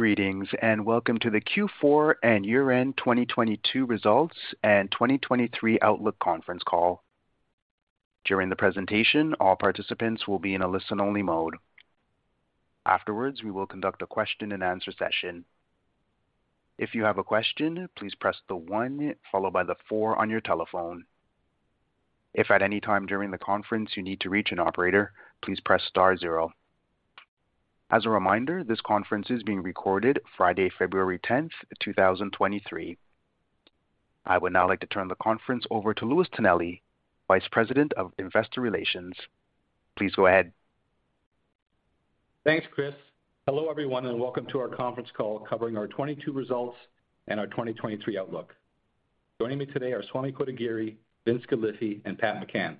Greetings. Welcome to the Q4 and year-end 2022 results and 2023 outlook conference call. During the presentation, all participants will be in a listen-only mode. Afterwards, we will conduct a question-and-answer session. If you have a question, please press the one followed by the four on your telephone. If at any time during the conference you need to reach an operator, please press star zero. As a reminder, this conference is being recorded Friday, February 10th, 2023. I would now like to turn the conference over to Louis Tonelli, Vice President of Investor Relations. Please go ahead. Thanks, Chris. Hello, everyone, and welcome to our conference call covering our 2022 results and our 2023 outlook. Joining me today are Swamy Kotagiri, Vince Galifi, and Pat McCann.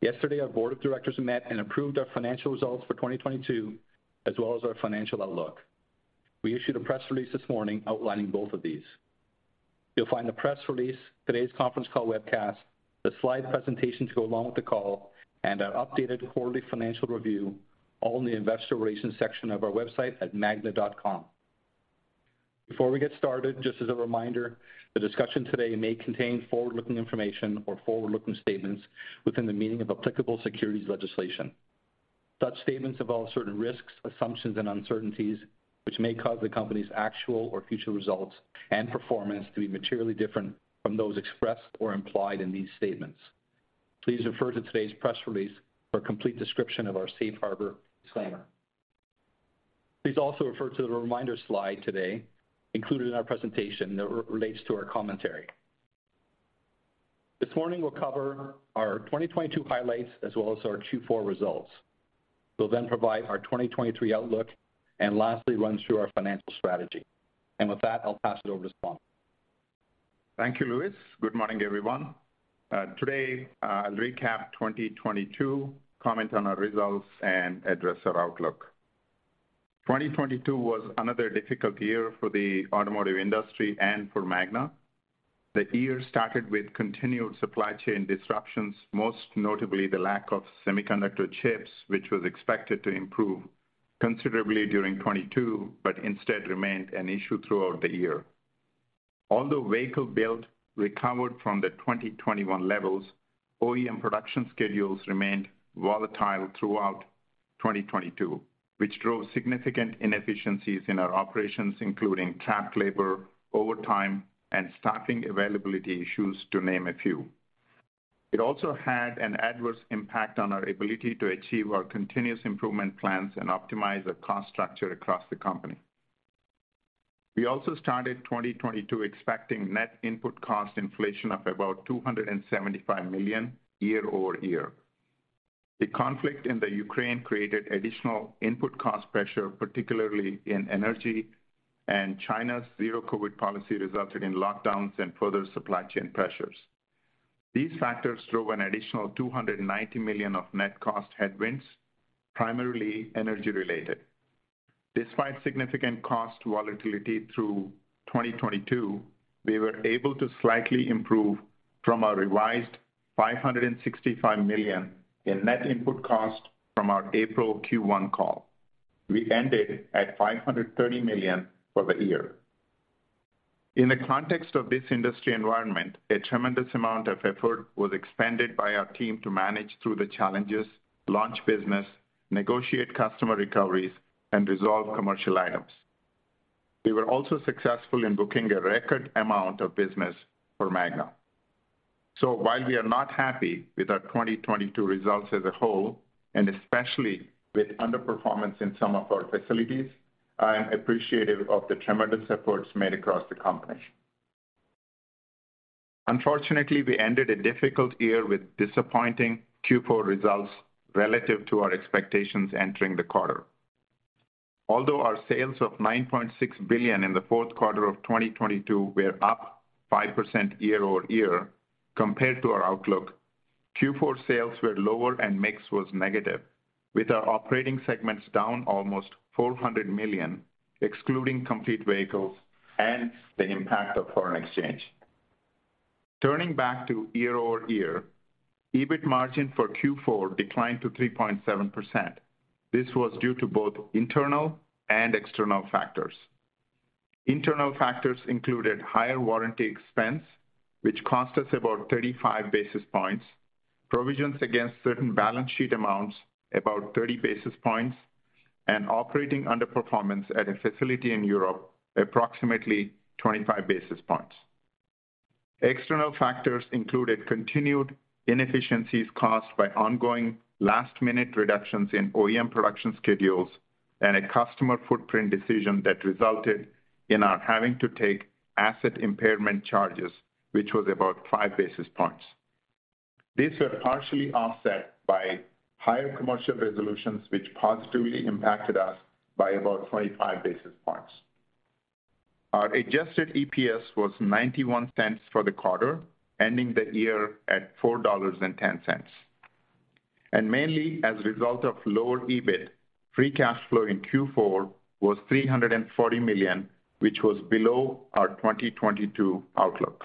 Yesterday, our board of directors met and approved our financial results for 2022, as well as our financial outlook. We issued a press release this morning outlining both of these. You'll find the press release, today's conference call webcast, the slide presentation to go along with the call, and our updated quarterly financial review all in the investor relations section of our website at magna.com. Before we get started, just as a reminder, the discussion today may contain forward-looking information or forward-looking statements within the meaning of applicable securities legislation. Such statements involve certain risks, assumptions, and uncertainties which may cause the company's actual or future results and performance to be materially different from those expressed or implied in these statements. Please refer to today's press release for a complete description of our safe harbor disclaimer. Please also refer to the reminder slide today included in our presentation that re-relates to our commentary. This morning we'll cover our 2022 highlights as well as our Q4 results. We'll then provide our 2023 outlook, lastly, run through our financial strategy. With that, I'll pass it over to Swamy. Thank you, Louis. Good morning, everyone. Today, I'll recap 2022, comment on our results, and address our outlook. 2022 was another difficult year for the automotive industry and for Magna. The year started with continued supply chain disruptions, most notably the lack of semiconductor chips, which was expected to improve considerably during 2022, but instead remained an issue throughout the year. Although vehicle build recovered from the 2021 levels, OEM production schedules remained volatile throughout 2022, which drove significant inefficiencies in our operations, including trapped labor, overtime, and staffing availability issues, to name a few. It also had an adverse impact on our ability to achieve our continuous improvement plans and optimize our cost structure across the company. We also started 2022 expecting net input cost inflation of about $275 million year-over-year. The conflict in the Ukraine created additional input cost pressure, particularly in energy. China's zero COVID policy resulted in lockdowns and further supply chain pressures. These factors drove an additional $290 million of net cost headwinds, primarily energy-related. Despite significant cost volatility through 2022, we were able to slightly improve from our revised $565 million in net input cost from our April Q1 call. We ended at $530 million for the year. In the context of this industry environment, a tremendous amount of effort was expanded by our team to manage through the challenges, launch business, negotiate customer recoveries, and resolve commercial items. We were also successful in booking a record amount of business for Magna. While we are not happy with our 2022 results as a whole, and especially with underperformance in some of our facilities, I am appreciative of the tremendous efforts made across the company. Unfortunately, we ended a difficult year with disappointing Q4 results relative to our expectations entering the quarter. Our sales of $9.6 billion in the fourth quarter of 2022 were up 5% year-over-year compared to our outlook, Q4 sales were lower and mix was negative, with our operating segments down almost $400 million, excluding complete vehicles and the impact of foreign exchange. Turning back to year-over-year, EBIT margin for Q4 declined to 3.7%. This was due to both internal and external factors. Internal factors included higher warranty expense, which cost us about 35 basis points, provisions against certain balance sheet amounts, about 30 basis points, and operating underperformance at a facility in Europe, approximately 25 basis points. External factors included continued inefficiencies caused by ongoing last-minute reductions in OEM production schedules and a customer footprint decision that resulted in our having to take asset impairment charges, which was about 5 basis points. These were partially offset by higher commercial resolutions which positively impacted us by about 25 basis points. Our adjusted EPS was $0.91 for the quarter, ending the year at $4.10. Mainly as a result of lower EBIT, free cash flow in Q4 was $340 million, which was below our 2022 outlook.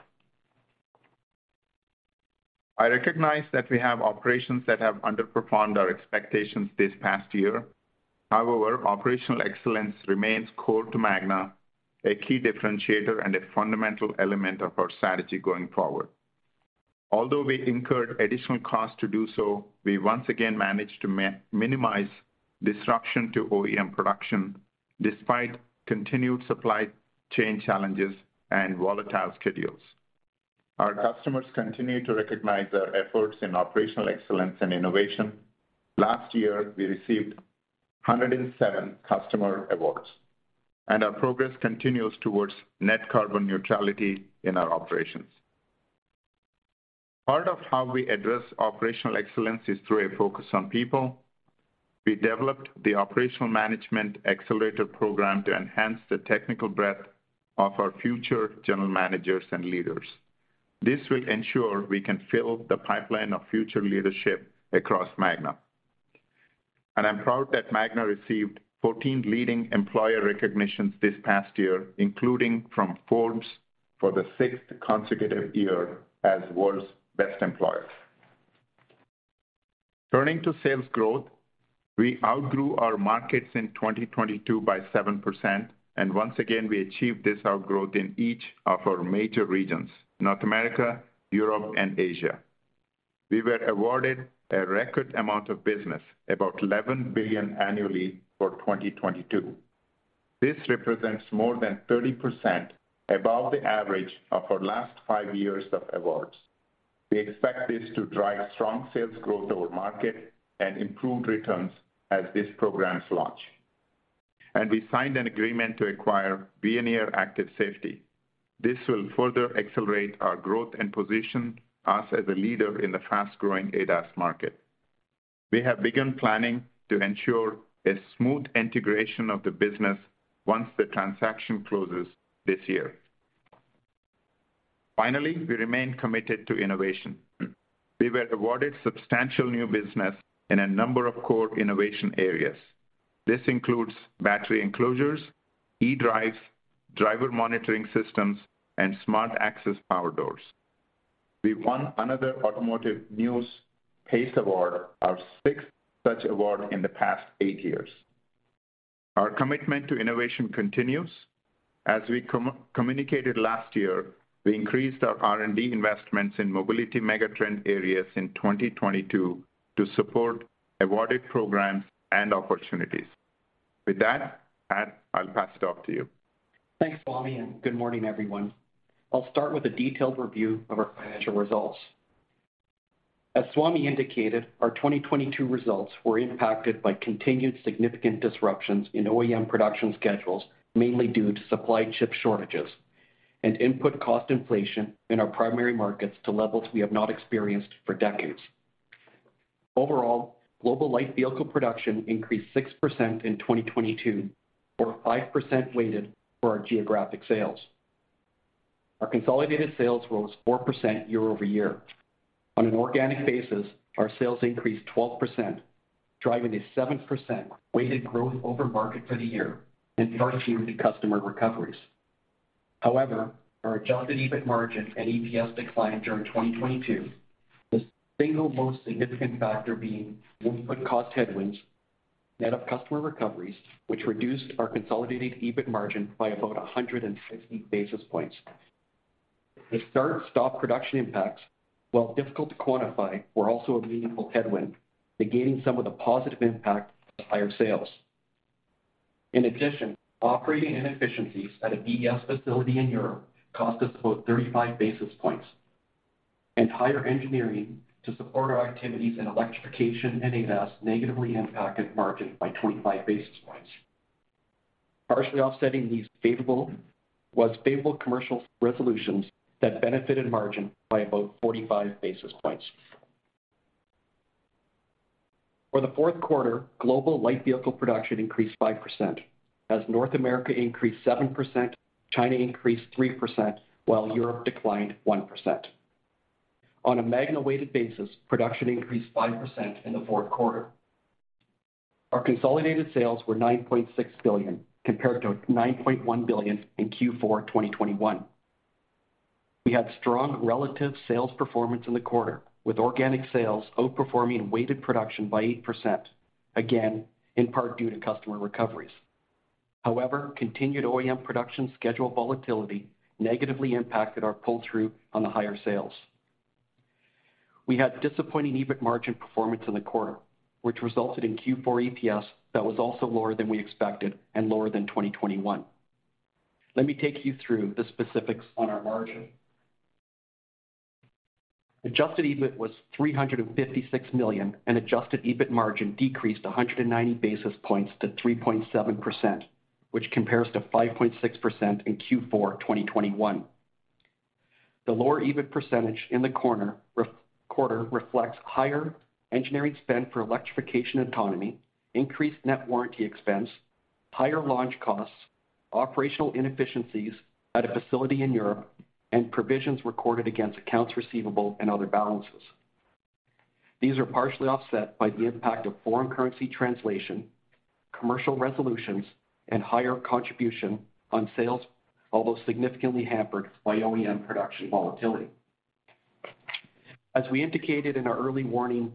I recognize that we have operations that have underperformed our expectations this past year. Operational excellence remains core to Magna, a key differentiator and a fundamental element of our strategy going forward. Although we incurred additional costs to do so, we once again managed to minimize disruption to OEM production despite continued supply chain challenges and volatile schedules. Our customers continue to recognize our efforts in operational excellence and innovation. Last year, we received 107 customer awards. Our progress continues towards net carbon neutrality in our operations. Part of how we address operational excellence is through a focus on people. We developed the Operational Management Accelerator program to enhance the technical breadth of our future general managers and leaders. This will ensure we can fill the pipeline of future leadership across Magna. I'm proud that Magna received 14 leading employer recognitions this past year, including from Forbes for the sixth consecutive year as world's best employers. Turning to sales growth, we outgrew our markets in 2022 by 7%. Once again, we achieved this outgrowth in each of our major regions, North America, Europe, and Asia. We were awarded a record amount of business, about $11 billion annually for 2022. This represents more than 30% above the average of our last five years of awards. We expect this to drive strong sales growth over market and improved returns as these programs launch. We signed an agreement to acquire Veoneer Active Safety. This will further accelerate our growth and position us as a leader in the fast-growing ADAS market. We have begun planning to ensure a smooth integration of the business once the transaction closes this year. Finally, we remain committed to innovation. We were awarded substantial new business in a number of core innovation areas. This includes battery enclosures, eDrives, driver monitoring systems, and SmartAccess power doors. We won another Automotive News PACE Award, our sixth such award in the past eight years. Our commitment to innovation continues. As we communicated last year, we increased our R&D investments in mobility megatrend areas in 2022 to support awarded programs and opportunities. With that, Pat, I'll pass it off to you. Thanks, Swamy. Good morning, everyone. I'll start with a detailed review of our financial results. As Swamy indicated, our 2022 results were impacted by continued significant disruptions in OEM production schedules, mainly due to supply chip shortages and input cost inflation in our primary markets to levels we have not experienced for decades. Overall, global light vehicle production increased 6% in 2022 or 5% weighted for our geographic sales. Our consolidated sales rose 4% year-over-year. On an organic basis, our sales increased 12%, driving a 7% weighted growth over market for the year and partially due to customer recoveries. Our adjusted EBIT margin and EPS declined during 2022, the single most significant factor being input cost headwinds, net of customer recoveries, which reduced our consolidated EBIT margin by about 160 basis points. The start/stop production impacts, while difficult to quantify, were also a meaningful headwind, negating some of the positive impact of higher sales. In addition, operating inefficiencies at an BES facility in Europe cost us about 35 basis points, and higher engineering to support our activities in electrification and ADAS negatively impacted margin by 25 basis points. Partially offsetting these favorable was favorable commercial resolutions that benefited margin by about 45 basis points. For the fourth quarter, global light vehicle production increased 5% as North America increased 7%, China increased 3%, while Europe declined 1%. On a Magna weighted basis, production increased 5% in the fourth quarter. Our consolidated sales were $9.6 billion, compared to $9.1 billion in Q4 2021. We had strong relative sales performance in the quarter, with organic sales outperforming weighted production by 8%, again, in part due to customer recoveries. Continued OEM production schedule volatility negatively impacted our pull-through on the higher sales. We had disappointing EBIT margin performance in the quarter, which resulted in Q4 EPS that was also lower than we expected and lower than 2021. Let me take you through the specifics on our margin. Adjusted EBIT was $356 million, and adjusted EBIT margin decreased 190 basis points to 3.7%, which compares to 5.6% in Q4 2021. The lower EBIT percentage in the quarter reflects higher engineering spend for electrification autonomy, increased net warranty expense, higher launch costs, operational inefficiencies at a facility in Europe, and provisions recorded against accounts receivable and other balances. These are partially offset by the impact of foreign currency translation, commercial resolutions, and higher contribution on sales, although significantly hampered by OEM production volatility. We indicated in our early warning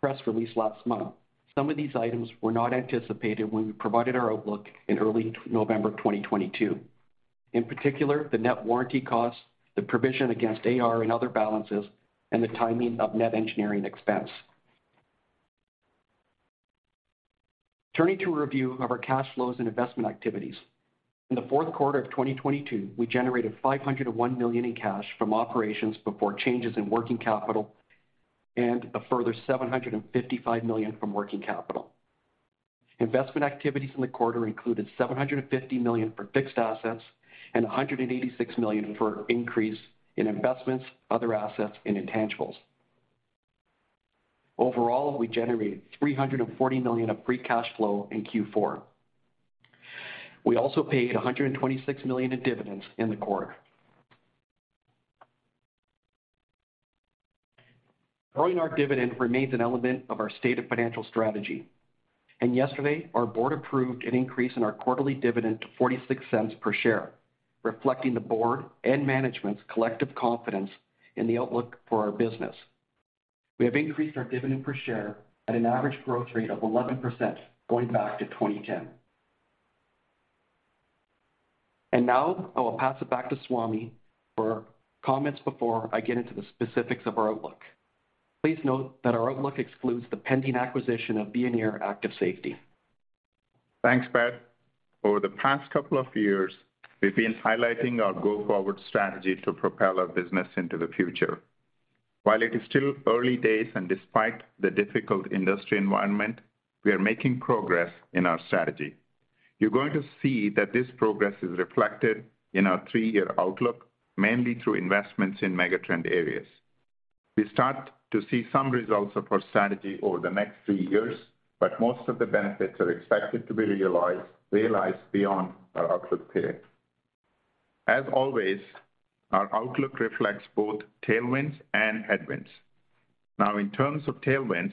press release last month, some of these items were not anticipated when we provided our outlook in early November 2022. In particular, the net warranty costs, the provision against AR and other balances, and the timing of net engineering expense. Turning to a review of our cash flows and investment activities. In the fourth quarter of 2022, we generated $501 million in cash from operations before changes in working capital and a further $755 million from working capital. Investment activities in the quarter included $750 million for fixed assets and $186 million for increase in investments, other assets, and intangibles. Overall, we generated $340 million of free cash flow in Q4. We also paid $126 million in dividends in the quarter. Growing our dividend remains an element of our stated financial strategy. Yesterday, our board approved an increase in our quarterly dividend to $0.46 per share, reflecting the board and management's collective confidence in the outlook for our business. We have increased our dividend per share at an average growth rate of 11% going back to 2010. Now I will pass it back to Swamy for comments before I get into the specifics of our outlook. Please note that our outlook excludes the pending acquisition of Veoneer Active Safety. Thanks, Pat. Over the past couple of years, we've been highlighting our go-forward strategy to propel our business into the future. While it is still early days and despite the difficult industry environment, we are making progress in our strategy. You're going to see that this progress is reflected in our three-year outlook, mainly through investments in megatrend areas. We start to see some results of our strategy over the next three years, but most of the benefits are expected to be realized beyond our outlook period. As always, our outlook reflects both tailwinds and headwinds. In terms of tailwinds,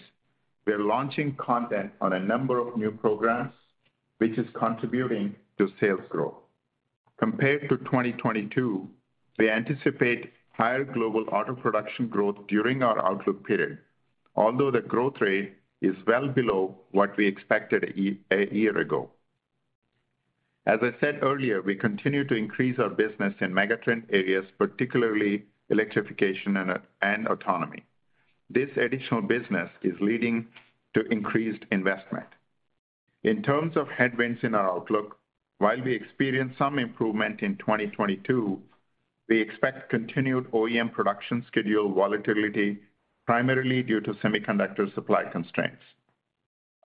we are launching content on a number of new programs, which is contributing to sales growth. Compared to 2022, we anticipate higher global auto production growth during our outlook period, although the growth rate is well below what we expected a year ago. As I said earlier, we continue to increase our business in megatrend areas, particularly electrification and autonomy. This additional business is leading to increased investment. In terms of headwinds in our outlook, while we experienced some improvement in 2022, we expect continued OEM production schedule volatility, primarily due to semiconductor supply constraints.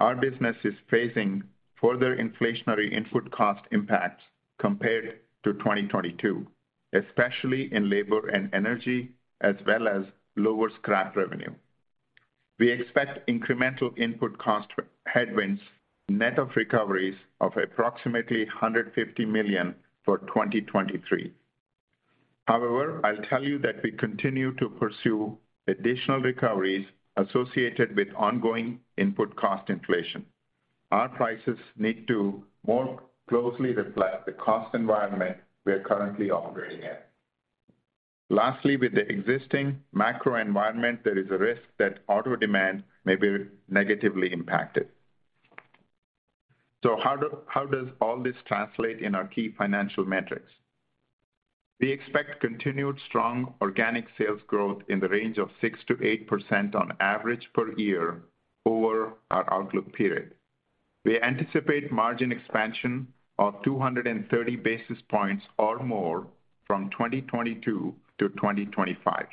Our business is facing further inflationary input cost impacts compared to 2022, especially in labor and energy, as well as lower scrap revenue. We expect incremental input cost headwinds, net of recoveries of approximately $150 million for 2023. However, I'll tell you that we continue to pursue additional recoveries associated with ongoing input cost inflation. Our prices need to more closely reflect the cost environment we are currently operating in. Lastly, with the existing macro environment, there is a risk that auto demand may be negatively impacted. How does all this translate in our key financial metrics? We expect continued strong organic sales growth in the range of 6%-8% on average per year over our outlook period. We anticipate margin expansion of 230 basis points or more from 2022 to 2025.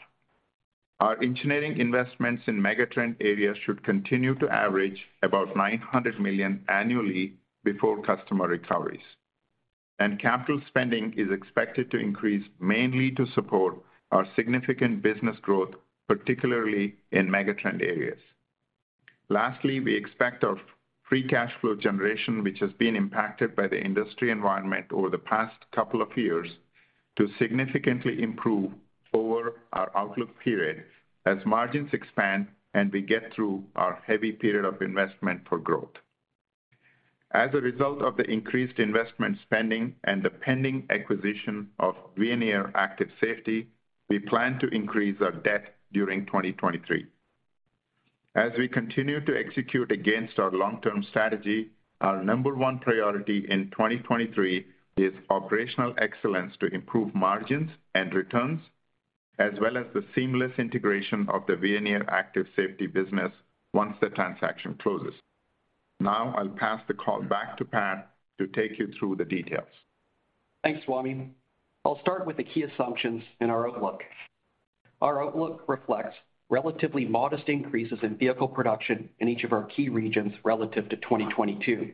Our engineering investments in megatrend areas should continue to average about $900 million annually before customer recoveries. Capital spending is expected to increase mainly to support our significant business growth, particularly in megatrend areas. Lastly, we expect our free cash flow generation, which has been impacted by the industry environment over the past couple of years, to significantly improve over our outlook period as margins expand and we get through our heavy period of investment for growth. As a result of the increased investment spending and the pending acquisition of Veoneer Active Safety, we plan to increase our debt during 2023. As we continue to execute against our long-term strategy, our number one priority in 2023 is operational excellence to improve margins and returns, as well as the seamless integration of the Veoneer Active Safety business once the transaction closes. I'll pass the call back to Pat to take you through the details. Thanks, Swamy. I'll start with the key assumptions in our outlook. Our outlook reflects relatively modest increases in vehicle production in each of our key regions relative to 2022.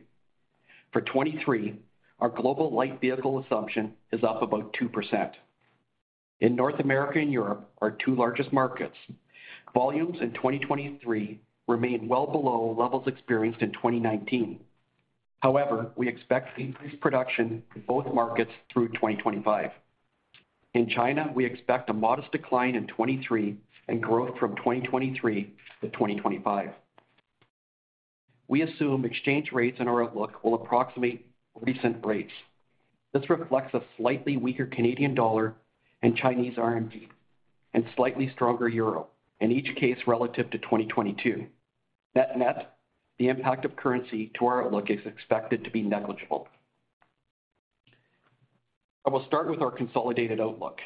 For 2023, our global light vehicle assumption is up about 2%. In North America and Europe, our two largest markets, volumes in 2023 remain well below levels experienced in 2019. However, we expect increased production in both markets through 2025. In China, we expect a modest decline in 2023 and growth from 2023 to 2025. We assume exchange rates in our outlook will approximate recent rates. This reflects a slightly weaker Canadian dollar and Chinese RMB, and slightly stronger euro, in each case relative to 2022. Net-net, the impact of currency to our outlook is expected to be negligible. I will start with our consolidated outlook.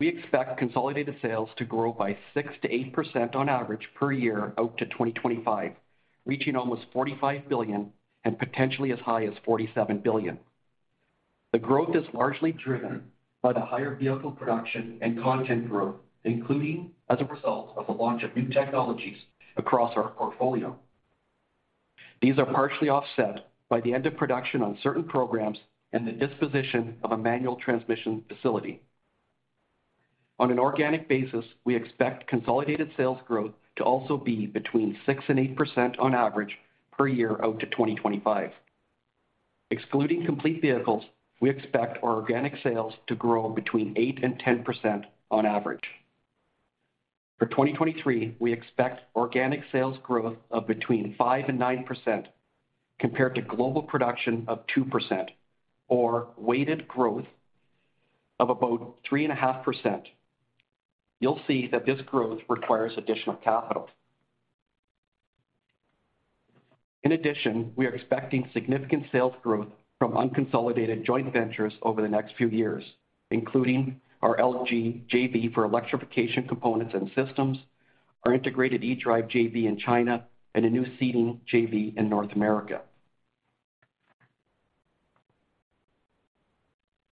We expect consolidated sales to grow by 6%-8% on average per year out to 2025, reaching almost $45 billion and potentially as high as $47 billion. The growth is largely driven by the higher vehicle production and content growth, including as a result of the launch of new technologies across our portfolio. These are partially offset by the end of production on certain programs and the disposition of a manual transmission facility. On an organic basis, we expect consolidated sales growth to also be between 6% and 8% on average per year out to 2025. Excluding complete vehicles, we expect our organic sales to grow between 8% and 10% on average. For 2023, we expect organic sales growth of between 5% and 9% compared to global production of 2% or weighted growth of about 3.5%. You'll see that this growth requires additional capital. In addition, we are expecting significant sales growth from unconsolidated joint ventures over the next few years, including our LG JV for electrification components and systems, our integrated eDrive JV in China, and a new seating JV in North America.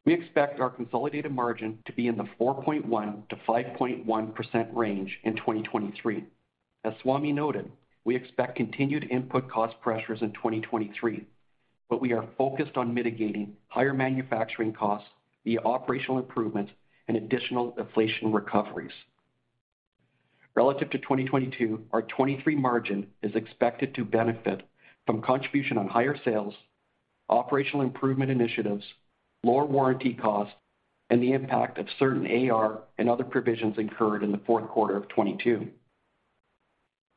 We expect our consolidated margin to be in the 4.1%-5.1% range in 2023. As Swamy noted, we expect continued input cost pressures in 2023, but we are focused on mitigating higher manufacturing costs via operational improvements and additional inflation recoveries. Relative to 2022, our 2023 margin is expected to benefit from contribution on higher sales, operational improvement initiatives, lower warranty costs, and the impact of certain AR and other provisions incurred in the fourth quarter of 2022.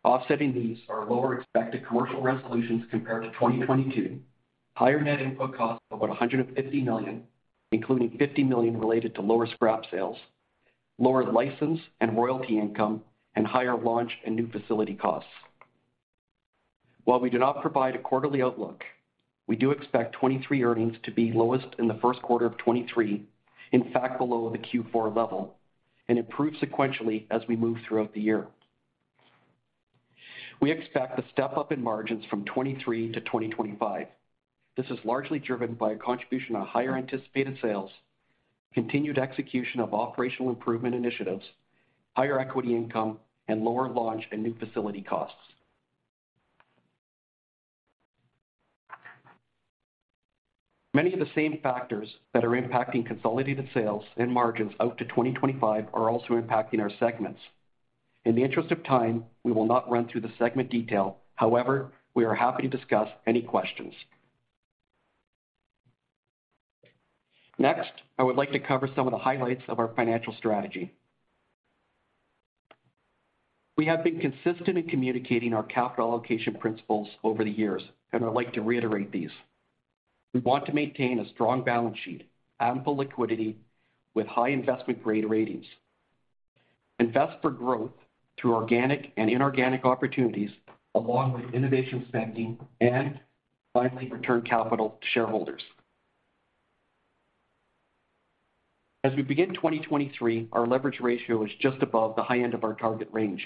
Offsetting these are lower expected commercial resolutions compared to 2022, higher net input costs of about $150 million, including $50 million related to lower scrap sales, lower license and royalty income, and higher launch and new facility costs. While we do not provide a quarterly outlook, we do expect 2023 earnings to be lowest in the first quarter of 2023, in fact below the Q4 level, and improve sequentially as we move throughout the year. We expect a step-up in margins from 2023 to 2025. This is largely driven by a contribution on higher anticipated sales, continued execution of operational improvement initiatives, higher equity income, and lower launch and new facility costs. Many of the same factors that are impacting consolidated sales and margins out to 2025 are also impacting our segments. In the interest of time, we will not run through the segment detail. However, we are happy to discuss any questions. Next, I would like to cover some of the highlights of our financial strategy. We have been consistent in communicating our capital allocation principles over the years, and I'd like to reiterate these. We want to maintain a strong balance sheet, ample liquidity with high investment grade ratings, invest for growth through organic and inorganic opportunities along with innovation spending, and finally, return capital to shareholders. As we begin 2023, our leverage ratio is just above the high end of our target range,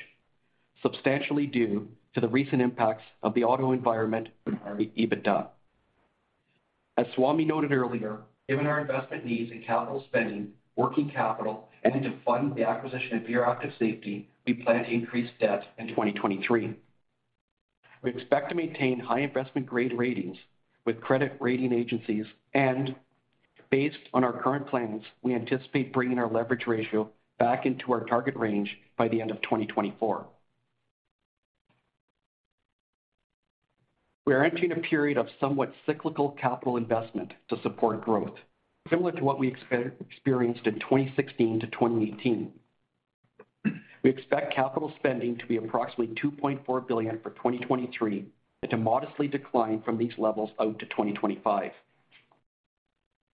substantially due to the recent impacts of the auto environment on our EBITDA. As Swamy noted earlier, given our investment needs in capital spending, working capital, and to fund the acquisition of Veoneer Active Safety, we plan to increase debt in 2023. We expect to maintain high investment-grade ratings with credit rating agencies and based on our current plans, we anticipate bringing our leverage ratio back into our target range by the end of 2024. We are entering a period of somewhat cyclical capital investment to support growth, similar to what we experienced in 2016 to 2018. We expect capital spending to be approximately $2.4 billion for 2023 and to modestly decline from these levels out to 2025.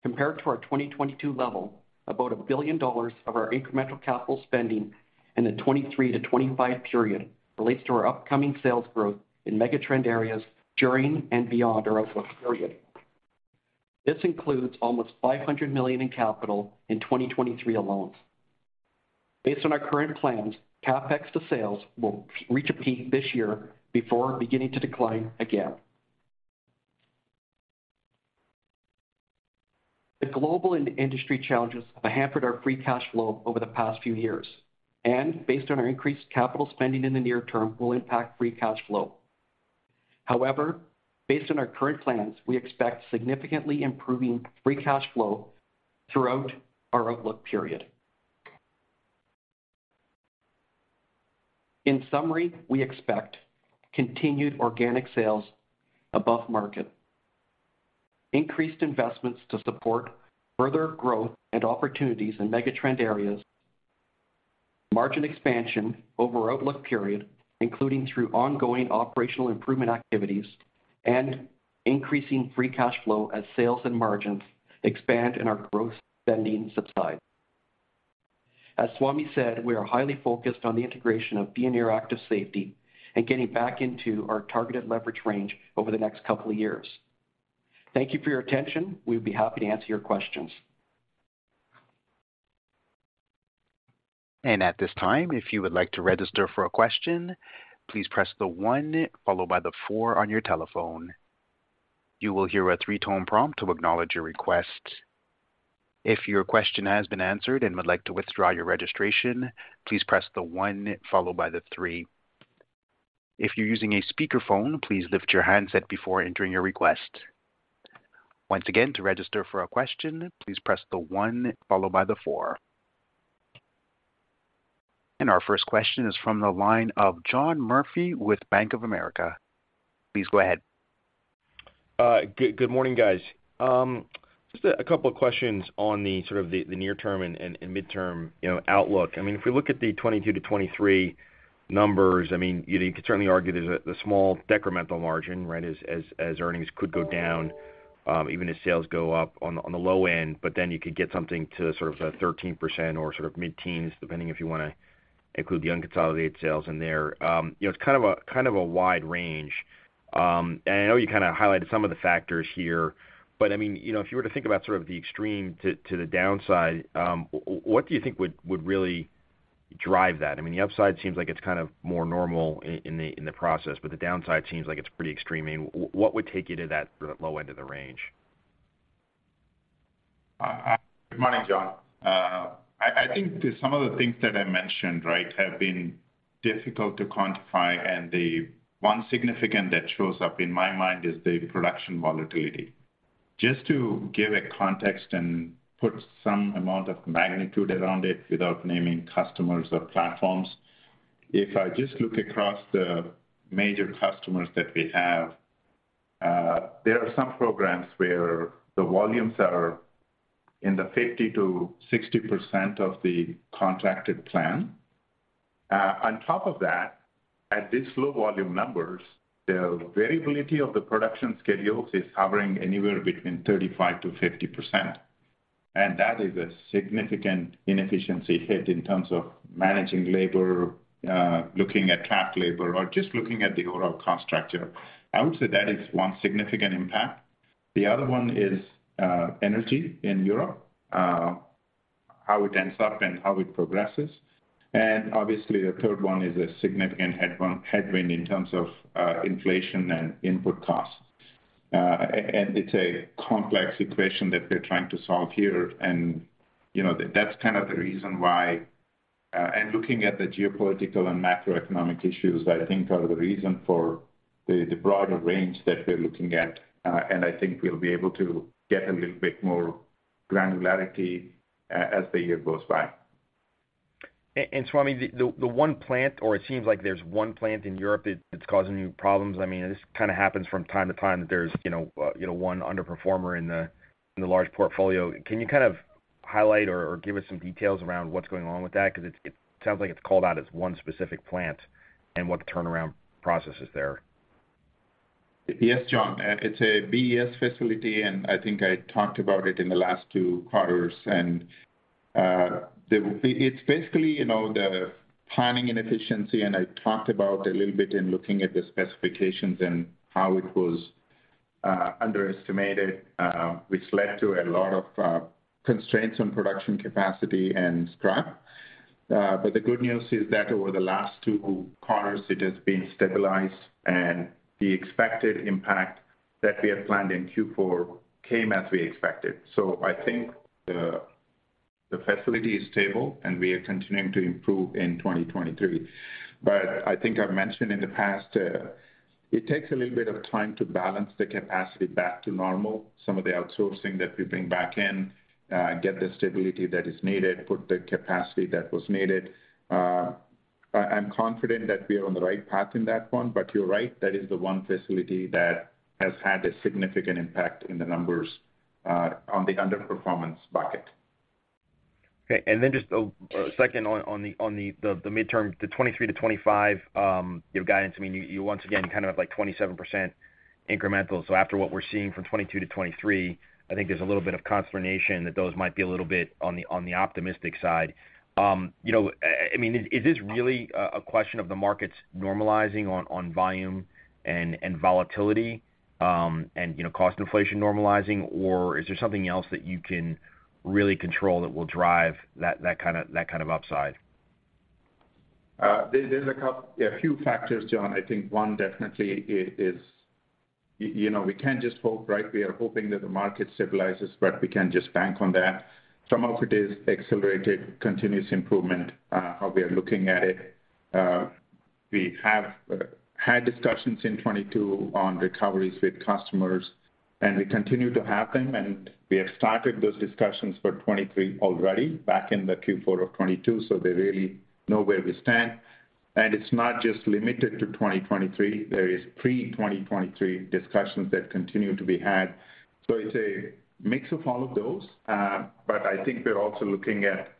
Compared to our 2022 level, about $1 billion of our incremental capital spending in the 2023 to 2025 period relates to our upcoming sales growth in megatrend areas during and beyond our outlook period. This includes almost $500 million in capital in 2023 alone. Based on our current plans, CapEx to sales will reach a peak this year before beginning to decline again. The global in-industry challenges have hampered our free cash flow over the past few years and based on our increased capital spending in the near term, will impact free cash flow. Based on our current plans, we expect significantly improving free cash flow throughout our outlook period. In summary, we expect continued organic sales above market, increased investments to support further growth and opportunities in megatrend areas, margin expansion over outlook period, including through ongoing operational improvement activities, and increasing free cash flow as sales and margins expand and our growth spending subsides. As Swamy said, we are highly focused on the integration of Veoneer Active Safety and getting back into our targeted leverage range over the next couple of years. Thank you for your attention. We'd be happy to answer your questions. At this time, if you would like to register for a question, please press the one followed by the four on your telephone. You will hear a three-tone prompt to acknowledge your request. If your question has been answered and would like to withdraw your registration, please press the one followed by the three. If you're using a speakerphone, please lift your handset before entering your request. Once again, to register for a question, please press the one followed by the four. Our first question is from the line of John Murphy with Bank of America. Please go ahead. Good morning, guys. Just a couple of questions on the, sort of the near term and midterm, you know, outlook. I mean, if we look at the 2022 to 2023 numbers, I mean, you could certainly argue there's a small decremental margin, right? As earnings could go down, even as sales go up on the low end, but then you could get something to sort of 13% or sort of mid-teens, depending if you wanna include the unconsolidated sales in there. You know, it's kind of a wide range. I know you kinda highlighted some of the factors here, but I mean, you know, if you were to think about sort of the extreme to the downside, what do you think would really drive that? I mean, the upside seems like it's kind of more normal in the, in the process, but the downside seems like it's pretty extreme. I mean, what would take you to that sort of low end of the range? Good morning, John. I think some of the things that I mentioned, right, have been difficult to quantify, and the one significant that shows up in my mind is the production volatility. Just to give a context and put some amount of magnitude around it without naming customers or platforms, if I just look across the major customers that we have, there are some programs where the volumes are in the 50%-60% of the contracted plan. On top of that, at these low volume numbers, the variability of the production schedules is hovering anywhere between 35%-50%. That is a significant inefficiency hit in terms of managing labor, looking at cap labor or just looking at the overall cost structure. I would say that is one significant impact. The other one is energy in Europe, how it ends up and how it progresses. Obviously, the third one is a significant headwind in terms of inflation and input costs. It's a complex equation that we're trying to solve here. You know, that's kind of the reason why, and looking at the geopolitical and macroeconomic issues that I think are the reason for the broader range that we're looking at. I think we'll be able to get a little bit more granularity as the year goes by. Swamy, the one plant or it seems like there's one plant in Europe that's causing you problems. I mean, it just kinda happens from time to time that there's, you know, you know, one underperformer in the, in the large portfolio. Can you kind of highlight or give us some details around what's going on with that? 'Cause it sounds like it's called out as one specific plant and what the turnaround process is there. Yes, John. It's a BES facility, and I think I talked about it in the last two quarters. It's basically, you know, the planning and efficiency, and I talked about a little bit in looking at the specifications and how it was underestimated, which led to a lot of constraints on production capacity and scrap. The good news is that over the last two quarters, it has been stabilized, and the expected impact that we had planned in Q4 came as we expected. I think the facility is stable, and we are continuing to improve in 2023. I think I've mentioned in the past, it takes a little bit of time to balance the capacity back to normal. Some of the outsourcing that we bring back in, get the stability that is needed, put the capacity that was needed. I'm confident that we are on the right path in that one, but you're right, that is the one facility that has had a significant impact in the numbers, on the underperformance bucket. Okay. Then just a second on the midterm, the 2023 to 2025, your guidance. I mean, you once again kind of have, like, 27% incremental. After what we're seeing from 2022 to 2023, I think there's a little bit of consternation that those might be a little bit on the optimistic side. You know, I mean, is this really a question of the markets normalizing on volume and volatility, and, you know, cost inflation normalizing, or is there something else that you can really control that will drive that kind of upside? There's a few factors, John. I think one definitely is, you know, we can't just hope, right? We are hoping that the market stabilizes, but we can't just bank on that. Some of it is accelerated, continuous improvement, how we are looking at it. We have had discussions in 2022 on recoveries with customers. They continue to have them, and we have started those discussions for 2023 already back in the Q4 of 2022, so they really know where we stand. It's not just limited to 2023. There is pre-2023 discussions that continue to be had. It's a mix of all of those. But I think they're also looking at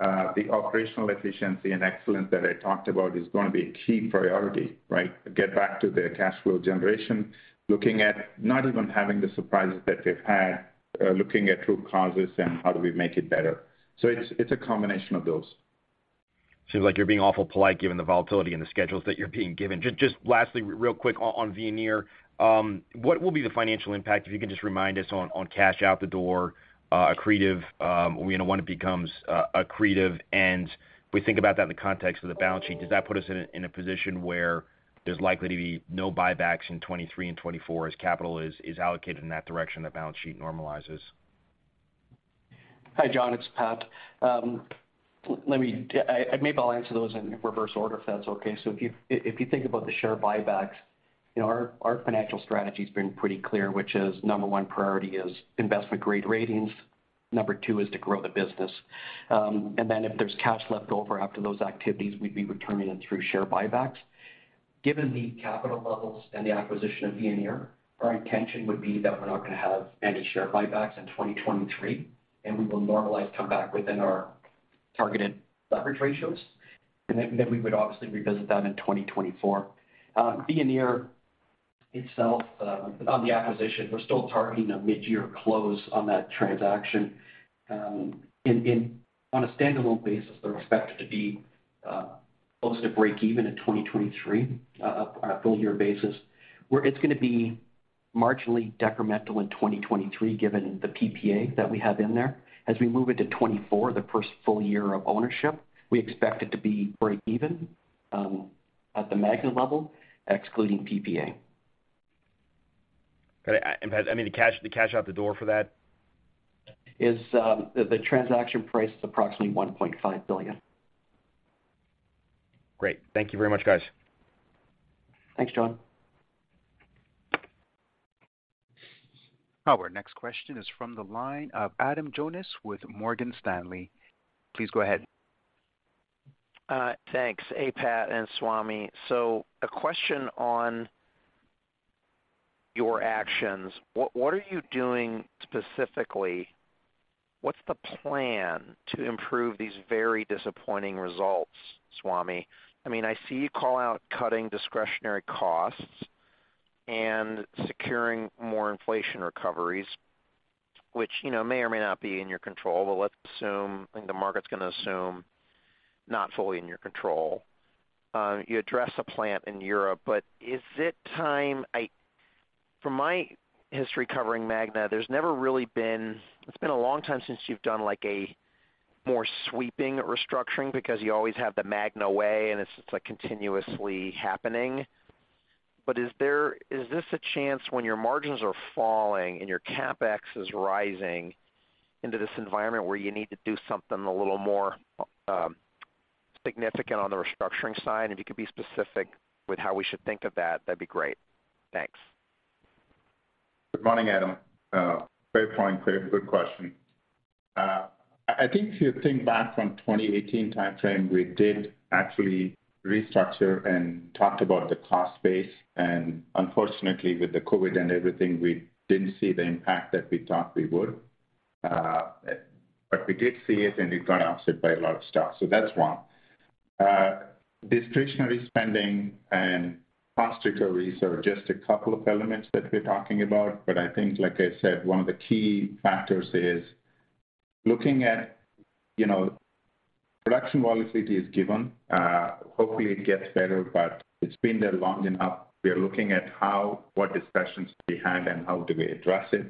the operational efficiency and excellence that I talked about is gonna be a key priority, right? Get back to their cash flow generation, looking at not even having the surprises that they've had, looking at root causes and how do we make it better. It's a combination of those. Seems like you're being awful polite given the volatility in the schedules that you're being given. Just lastly, real quick on Veoneer. What will be the financial impact, if you can just remind us on cash out the door, accretive, you know, when it becomes accretive, and if we think about that in the context of the balance sheet, does that put us in a position where there's likely to be no buybacks in 2023 and 2024 as capital is allocated in that direction, the balance sheet normalizes? Hi, John, it's Pat. Let me answer those in reverse order, if that's okay. If you, if you think about the share buybacks, you know, our financial strategy's been pretty clear, which is number one priority is investment grade ratings, number two is to grow the business. Then if there's cash left over after those activities, we'd be returning it through share buybacks. Given the capital levels and the acquisition of Veoneer, our intention would be that we're not gonna have any share buybacks in 2023, and we will normalize come back within our targeted leverage ratios. Then we would obviously revisit that in 2024. Veoneer itself, on the acquisition, we're still targeting a midyear close on that transaction. On a standalone basis, they're expected to be close to breakeven in 2023 on a full year basis, where it's gonna be marginally decremental in 2023 given the PPA that we have in there. As we move into 2024, the first full year of ownership, we expect it to be breakeven at the Magna level, excluding PPA. Got it. Pat, I mean, the cash, the cash out the door for that? The transaction price is approximately $1.5 billion. Great. Thank you very much, guys. Thanks, John. Our next question is from the line of Adam Jonas with Morgan Stanley. Please go ahead. Thanks. Hey, Pat and Swamy. A question on your actions. What are you doing specifically? What's the plan to improve these very disappointing results, Swamy? I mean, I see you call out cutting discretionary costs and securing more inflation recoveries, which, you know, may or may not be in your control, but let's assume, I think the market's gonna assume not fully in your control. You address a plant in Europe, is it time from my history covering Magna, there's never really been. It's been a long time since you've done like a more sweeping restructuring because you always have the Magna way, and it's just like continuously happening. Is this a chance when your margins are falling and your CapEx is rising into this environment where you need to do something a little more significant on the restructuring side? If you could be specific with how we should think of that'd be great. Thanks. Good morning, Adam. Good question. I think if you think back from 2018 timeframe, we did actually restructure and talked about the cost base. Unfortunately, with the COVID and everything, we didn't see the impact that we thought we would. but we did see it, and it got offset by a lot of stuff. That's one. discretionary spending and cost recoveries are just a couple of elements that we're talking about. I think, like I said, one of the key factors is looking at, you know, production volatility is given. Hopefully it gets better, but it's been there long enough. We are looking at how, what discussions to be had and how do we address it,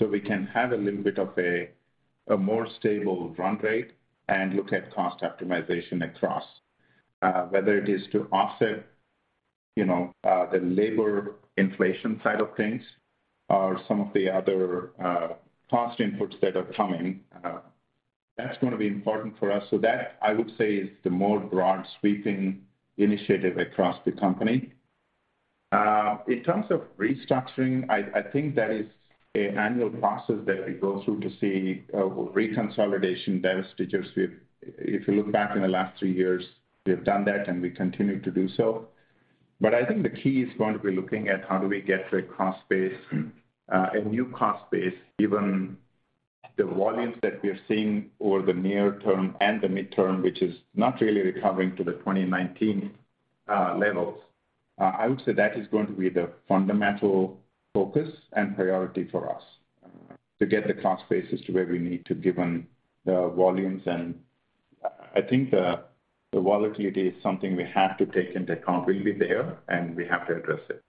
so we can have a little bit of a more stable run rate and look at cost optimization across, whether it is to offset, you know, the labor inflation side of things or some of the other, cost inputs that are coming. That's gonna be important for us. That, I would say, is the more broad sweeping initiative across the company. In terms of restructuring, I think that is an annual process that we go through to see, reconsolidation, divestitures. If you look back in the last three years, we've done that and we continue to do so. I think the key is going to be looking at how do we get the cost base, a new cost base, given the volumes that we're seeing over the near term and the midterm, which is not really recovering to the 2019 levels. I would say that is going to be the fundamental focus and priority for us, to get the cost bases to where we need to given the volumes. I think the volatility is something we have to take into account. We'll be there, and we have to address it.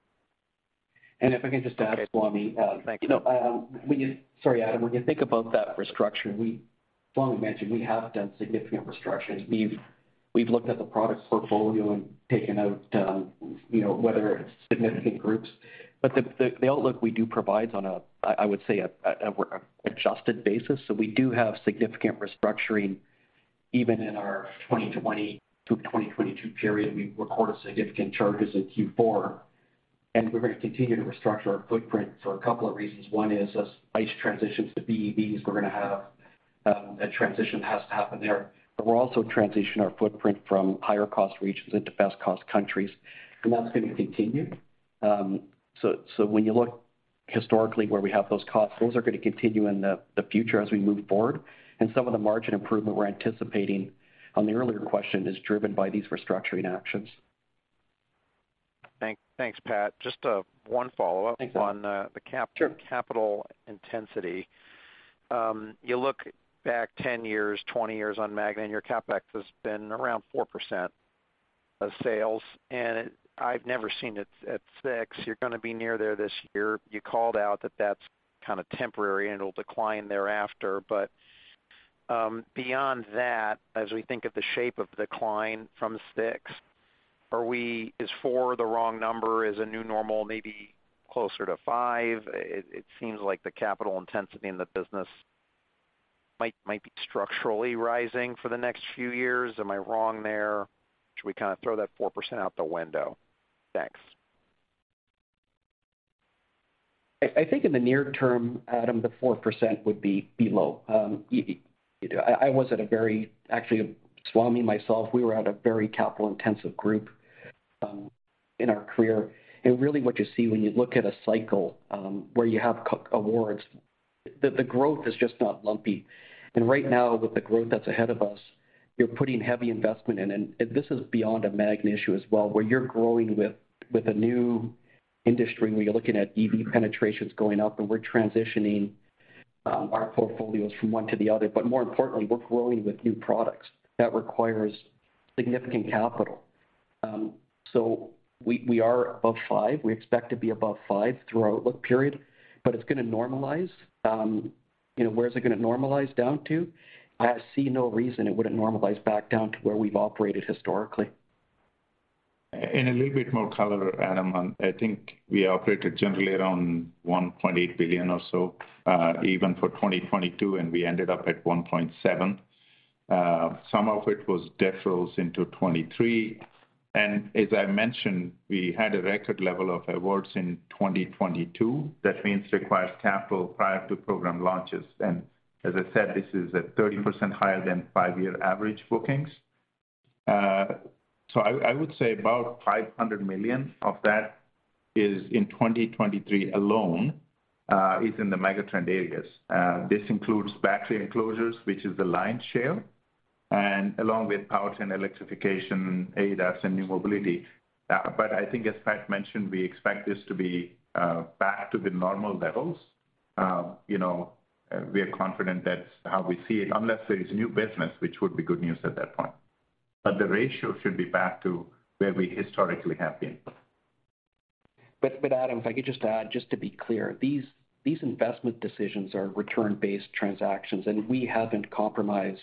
if I can just add, Swamy. Thank you. You know, sorry, Adam. You think about that restructure, Swamy mentioned we have done significant restructures. We've looked at the products portfolio and taken out, you know, whether it's significant groups. The outlook we do provides on a, I would say a adjusted basis. We do have significant restructuring. Even in our 2020 through 2022 period, we recorded significant charges in Q4, and we're gonna continue to restructure our footprint for a couple of reasons. One is as ICE transitions to BEVs, we're gonna have a transition has to happen there. We're also transitioning our footprint from higher cost regions into best cost countries, and that's gonna continue. When you look historically where we have those costs, those are gonna continue in the future as we move forward. Some of the margin improvement we're anticipating on the earlier question is driven by these restructuring actions. Thanks, Pat. Just, one follow-up. Thanks, Adam. on the... Sure. Capital intensity. You look back 10 years, 20 years on Magna, and your CapEx has been around 4% of sales. I've never seen it at 6%. You're gonna be near there this year. You called out that that's kinda temporary, and it'll decline thereafter. Beyond that, as we think of the shape of decline from 6%, is 4% the wrong number? Is a new normal maybe closer to 5%? It, it seems like the capital intensity in the business might be structurally rising for the next few years. Am I wrong there? Should we kinda throw that 4% out the window? Thanks. I think in the near term, Adam, the 4% would be below. You know, I was at a very. Actually, Swamy myself, we were at a very capital intensive group in our career. Really what you see when you look at a cycle, where you have awards, the growth is just not lumpy. Right now, with the growth that's ahead of us, you're putting heavy investment in. This is beyond a Magna issue as well, where you're growing with a new industry, where you're looking at EV penetrations going up, we're transitioning our portfolios from one to the other. More importantly, we're growing with new products. That requires significant capital. We are above 5%. We expect to be above 5% through our outlook period, it's gonna normalize. You know, where is it gonna normalize down to? I see no reason it wouldn't normalize back down to where we've operated historically. A little bit more color, Adam, I think we operated generally around $1.8 billion or so, even for 2022, and we ended up at $1.7 billion. Some of it was deferrals into 2023. As I mentioned, we had a record level of awards in 2022. That means requires capital prior to program launches. As I said, this is at 30% higher than five-year average bookings. So I would say about $500 million of that is in 2023 alone, is in the megatrend areas. This includes battery enclosures, which is the lion's share, and along with powertrain electrification, ADAS, and new mobility. But I think as Pat mentioned, we expect this to be back to the normal levels. You know, we are confident that's how we see it, unless there is new business, which would be good news at that point. The ratio should be back to where we historically have been. Adam, if I could just add, just to be clear, these investment decisions are return-based transactions, and we haven't compromised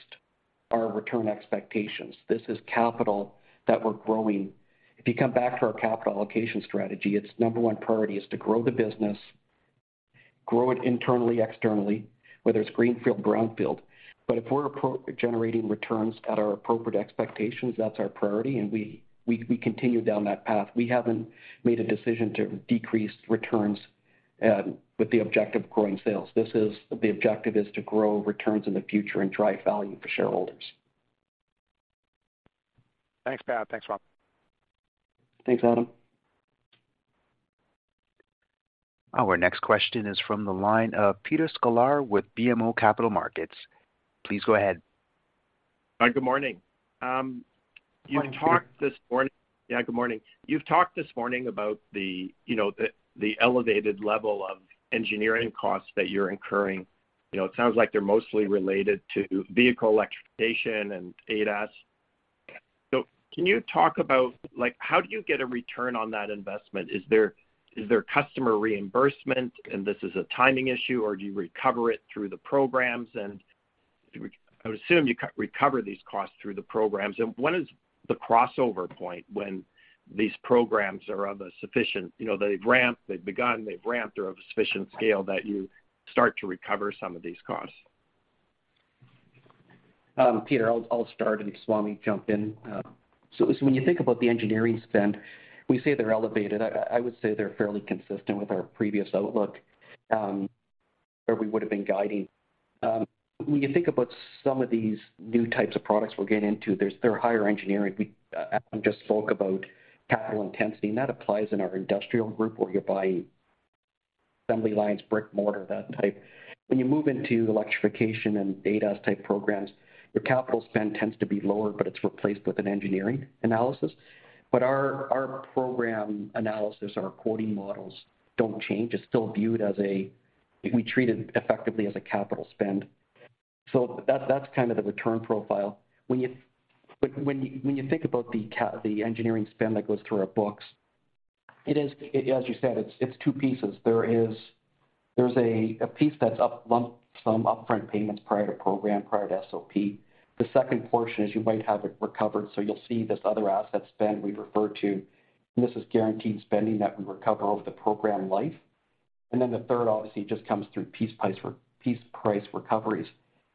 our return expectations. This is capital that we're growing. If you come back to our capital allocation strategy, its number one priority is to grow the business, grow it internally, externally, whether it's greenfield, brownfield. If we're generating returns at our appropriate expectations, that's our priority, and we continue down that path. We haven't made a decision to decrease returns with the objective of growing sales. The objective is to grow returns in the future and drive value for shareholders. Thanks, Pat. Thanks, Swamy. Thanks, Adam. Our next question is from the line of Peter Sklar with BMO Capital Markets. Please go ahead. Hi, good morning. Hi, Peter. Yeah, good morning. You've talked this morning about the, you know, the elevated level of engineering costs that you're incurring. You know, it sounds like they're mostly related to vehicle electrification and ADAS. Can you talk about, like, how do you get a return on that investment? Is there customer reimbursement and this is a timing issue, or do you recover it through the programs? I would assume you recover these costs through the programs. When is the crossover point when these programs are of a sufficient... You know, they've ramped, they've begun, they're of a sufficient scale that you start to recover some of these costs. Peter, I'll start and Swamy jump in. So, so when you think about the engineering spend, we say they're elevated. I would say they're fairly consistent with our previous outlook, where we would've been guiding. When you think about some of these new types of products we're getting into, they're higher engineering. Adam just spoke about capital intensity, and that applies in our industrial group where you're buying assembly lines, brick and mortar, that type. When you move into electrification and ADAS type programs, your capital spend tends to be lower, but it's replaced with an engineering analysis. But our program analysis, our quoting models don't change. It's still viewed as a we treat it effectively as a capital spend. So that's kind of the return profile. When you think about the engineering spend that goes through our books, as you said, it's two pieces. There is a piece that's up lump sum upfront payments prior to program, prior to SOP. The second portion is you might have it recovered, so you'll see this other asset spend we refer to, and this is guaranteed spending that we recover over the program life. The third obviously just comes through piece price, piece price recoveries.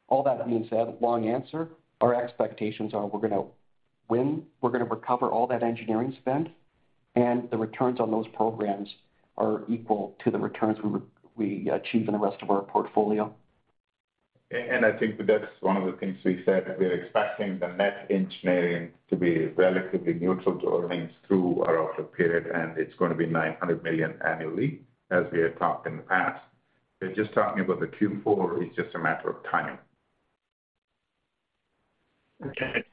All that being said, long answer, our expectations are we're gonna win, we're gonna recover all that engineering spend, and the returns on those programs are equal to the returns we achieve in the rest of our portfolio. I think that's one of the things we said, that we are expecting the net engineering to be relatively neutral to earnings through our outlook period, and it's gonna be $900 million annually as we had talked in the past. We're just talking about the Q4 is just a matter of timing. Okay.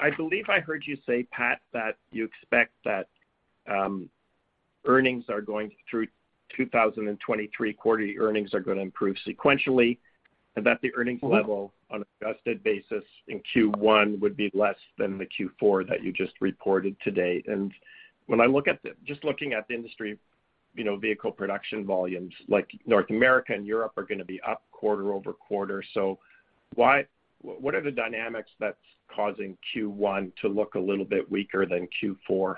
I believe I heard you say, Pat, that you expect that earnings are going through 2023, quarterly earnings are gonna improve sequentially, and that the earnings Mm-hmm -level on adjusted basis in Q1 would be less than the Q4 that you just reported to date. When I look at the just looking at the industry, you know, vehicle production volumes, like North America and Europe are gonna be up quarter-over-quarter. Why what are the dynamics that's causing Q1 to look a little bit weaker than Q4?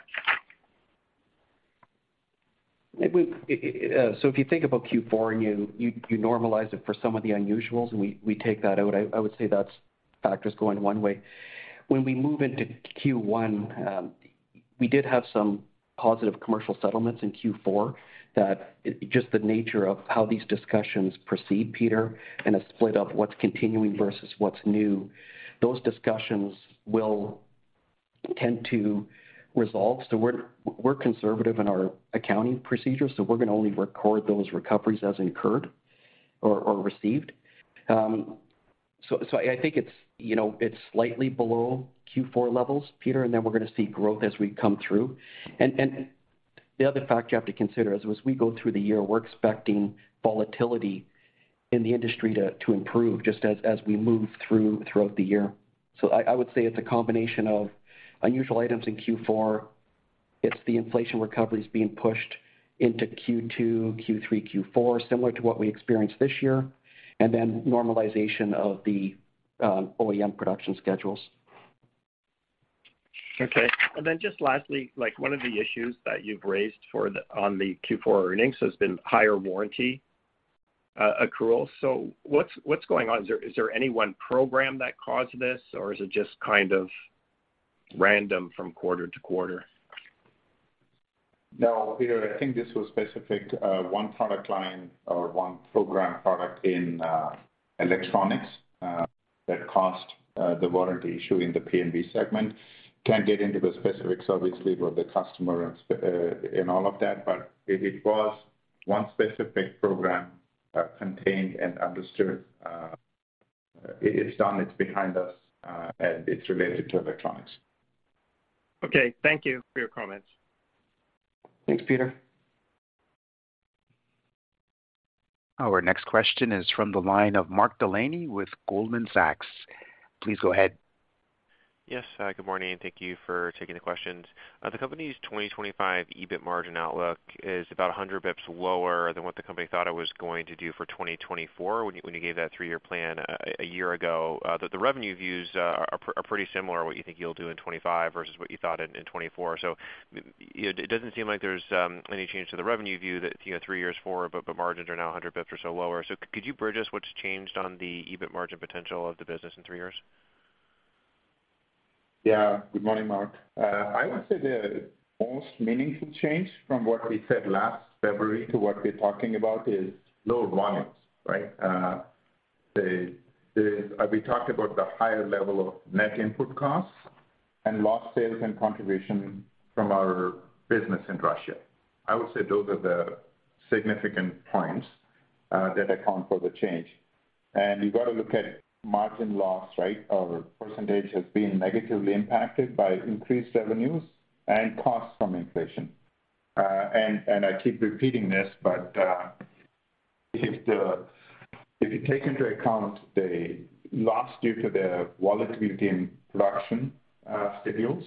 We, if you think about Q4 and you normalize it for some of the unusuals, and we take that out, I would say that's factors going one way. When we move into Q1, we did have some positive commercial settlements in Q4 that just the nature of how these discussions proceed, Peter, and a split of what's continuing versus what's new, those discussions will tend to resolve. We're conservative in our accounting procedures, so we're gonna only record those recoveries as incurred or received. I think it's, you know, it's slightly below Q4 levels, Peter, and then we're gonna see growth as we come through. The other factor you have to consider is, as we go through the year, we're expecting volatility in the industry to improve just as we move throughout the year. I would say it's a combination of unusual items in Q4. It's the inflation recoveries being pushed into Q2, Q3, Q4, similar to what we experienced this year, and then normalization of the OEM production schedules. Just lastly, like one of the issues that you've raised for the on the Q4 earnings has been higher warranty accrual. What's going on? Is there any one program that caused this, or is it just kind of random from quarter to quarter? No, Peter. I think this was specific, one product line or one program product in electronics, that caused the warranty issue in the P&V segment. Can't get into the specifics, obviously, with the customer and all of that, but it was one specific program, contained and understood. It's done, it's behind us, and it's related to electronics. Okay. Thank you for your comments. Thanks, Peter. Our next question is from the line of Mark Delaney with Goldman Sachs. Please go ahead. Yes, good morning. Thank you for taking the questions. The company's 2025 EBIT margin outlook is about 100 basis points lower than what the company thought it was going to do for 2024 when you gave that three-year plan a year ago. The revenue views are pretty similar, what you think you'll do in 2025 versus what you thought in 2024. It doesn't seem like there's any change to the revenue view that, you know, three years forward, but margins are now 100 basis points or so lower. Could you bridge us what's changed on the EBIT margin potential of the business in three years? Yeah. Good morning, Mark. I would say the most meaningful change from what we said last February to what we're talking about is lower volumes, right? We talked about the higher level of net input costs and lost sales and contribution from our business in Russia. I would say those are the significant points that account for the change. You've got to look at margin loss, right? Our percentage has been negatively impacted by increased revenues and costs from inflation. I keep repeating this, but if you take into account the loss due to the volatility in production schedules,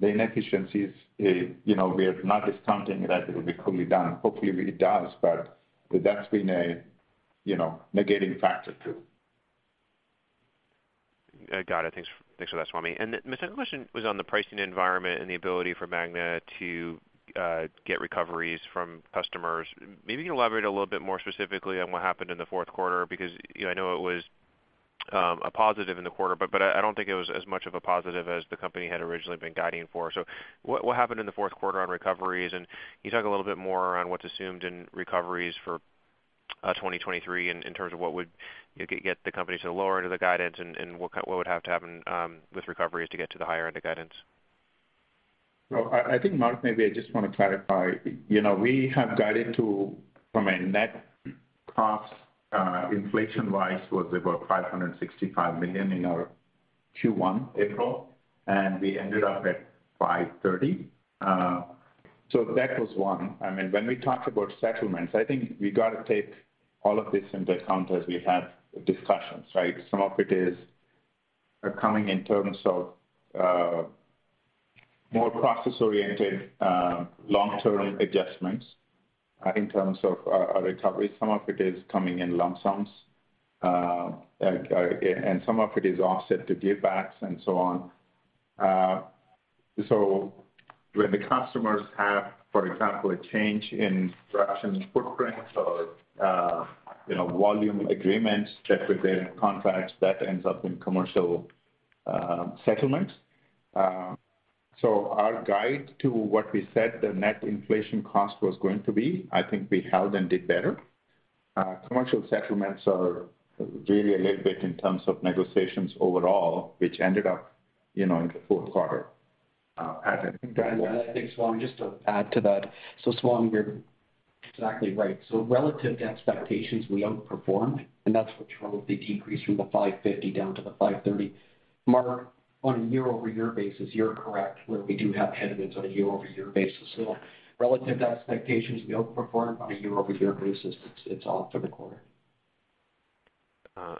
the inefficiencies, you know, we are not discounting that it'll be fully done. Hopefully it does, but that's been a, you know, negating factor too. Got it. Thanks for that, Swamy. My second question was on the pricing environment and the ability for Magna to get recoveries from customers. Maybe you can elaborate a little bit more specifically on what happened in the fourth quarter because, you know, I know it was a positive in the quarter, but I don't think it was as much of a positive as the company had originally been guiding for. What happened in the fourth quarter on recoveries? Can you talk a little bit more on what's assumed in recoveries for 2023 in terms of what would get the company to the lower end of the guidance and what would have to happen with recoveries to get to the higher end of guidance? I think Mark, maybe I just wanna clarify. You know, we have guided to, from a net cost, inflation-wise, was about $565 million in our Q1, April, and we ended up at $530. That was one. I mean, when we talk about settlements, I think we gotta take all of this into account as we have discussions, right? Some of it is coming in terms of more process-oriented, long-term adjustments. In terms of recovery, some of it is coming in lump sums. And some of it is offset to givebacks and so on. When the customers have, for example, a change in production footprints or, you know, volume agreements that were there in contracts, that ends up in commercial settlements. Our guide to what we said the net inflation cost was going to be, I think we held and did better. Commercial settlements are really a little bit in terms of negotiations overall, which ended up, you know, in the fourth quarter. I think, Swamy, just to add to that. Swamy, you're exactly right. Relative to expectations, we outperformed, and that's what drove the decrease from the $550 down to the $530 mark. On a year-over-year basis, you're correct, where we do have headwinds on a year-over-year basis. Relative to expectations, we outperformed on a year-over-year basis. It's off for the quarter.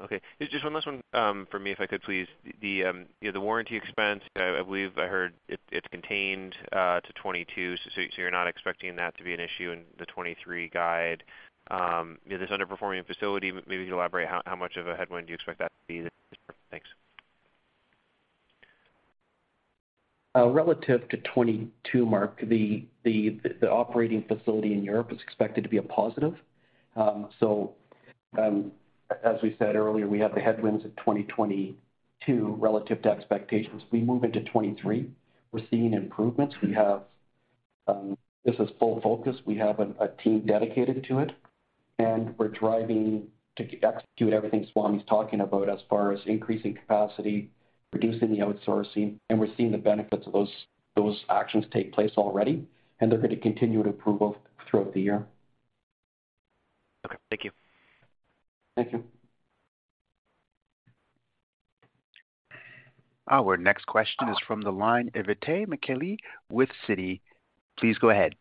Okay. Just one last one for me, if I could please. The, you know, the warranty expense, I believe I heard it's contained to 2022, so you're not expecting that to be an issue in the 2023 guide. This underperforming facility, maybe elaborate how much of a headwind do you expect that to be? Thanks. Relative to 2022, Mark, the operating facility in Europe is expected to be a positive. As we said earlier, we have the headwinds of 2022 relative to expectations. We move into 2023, we're seeing improvements. We have, this is full focus. We have a team dedicated to it, and we're driving to execute everything Swamy's talking about as far as increasing capacity, reducing the outsourcing, and we're seeing the benefits of those actions take place already, and they're gonna continue to improve both throughout the year. Okay, thank you. Thank you. Our next question is from the line of Itay Michaeli with Citi. Please go ahead.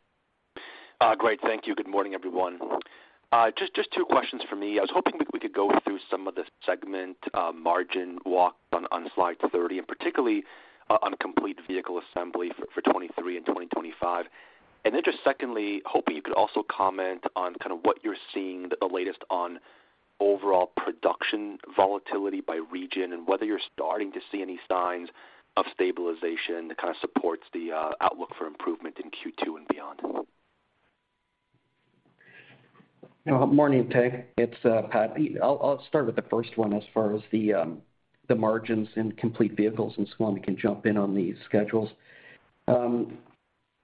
Great. Thank you. Good morning, everyone. Just two questions for me. I was hoping we could go through some of the segment margin walk on slide 30, and particularly on complete vehicle assembly for 2023 and 2025. Then just secondly, hoping you could also comment on kind of what you're seeing, the latest on overall production volatility by region, and whether you're starting to see any signs of stabilization that kind of supports the outlook for improvement in Q2 and beyond. You know, morning, Itay. It's Pat here. I'll start with the first one as far as the margins in complete vehicles, and Swamy can jump in on the schedules.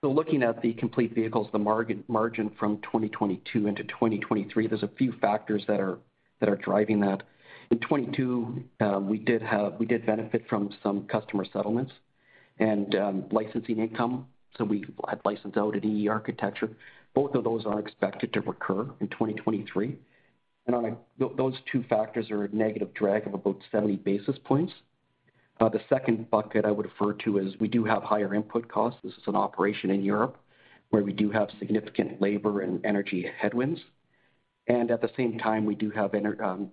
Looking at the complete vehicles, the margin from 2022 into 2023, there's a few factors that are, that are driving that. In 2022, we did benefit from some customer settlements and licensing income, so we had licensed out an E/E architecture. Both of those are expected to recur in 2023. Those two factors are a negative drag of about 70 basis points. The second bucket I would refer to is we do have higher input costs. This is an operation in Europe, where we do have significant labor and energy headwinds. At the same time, we do have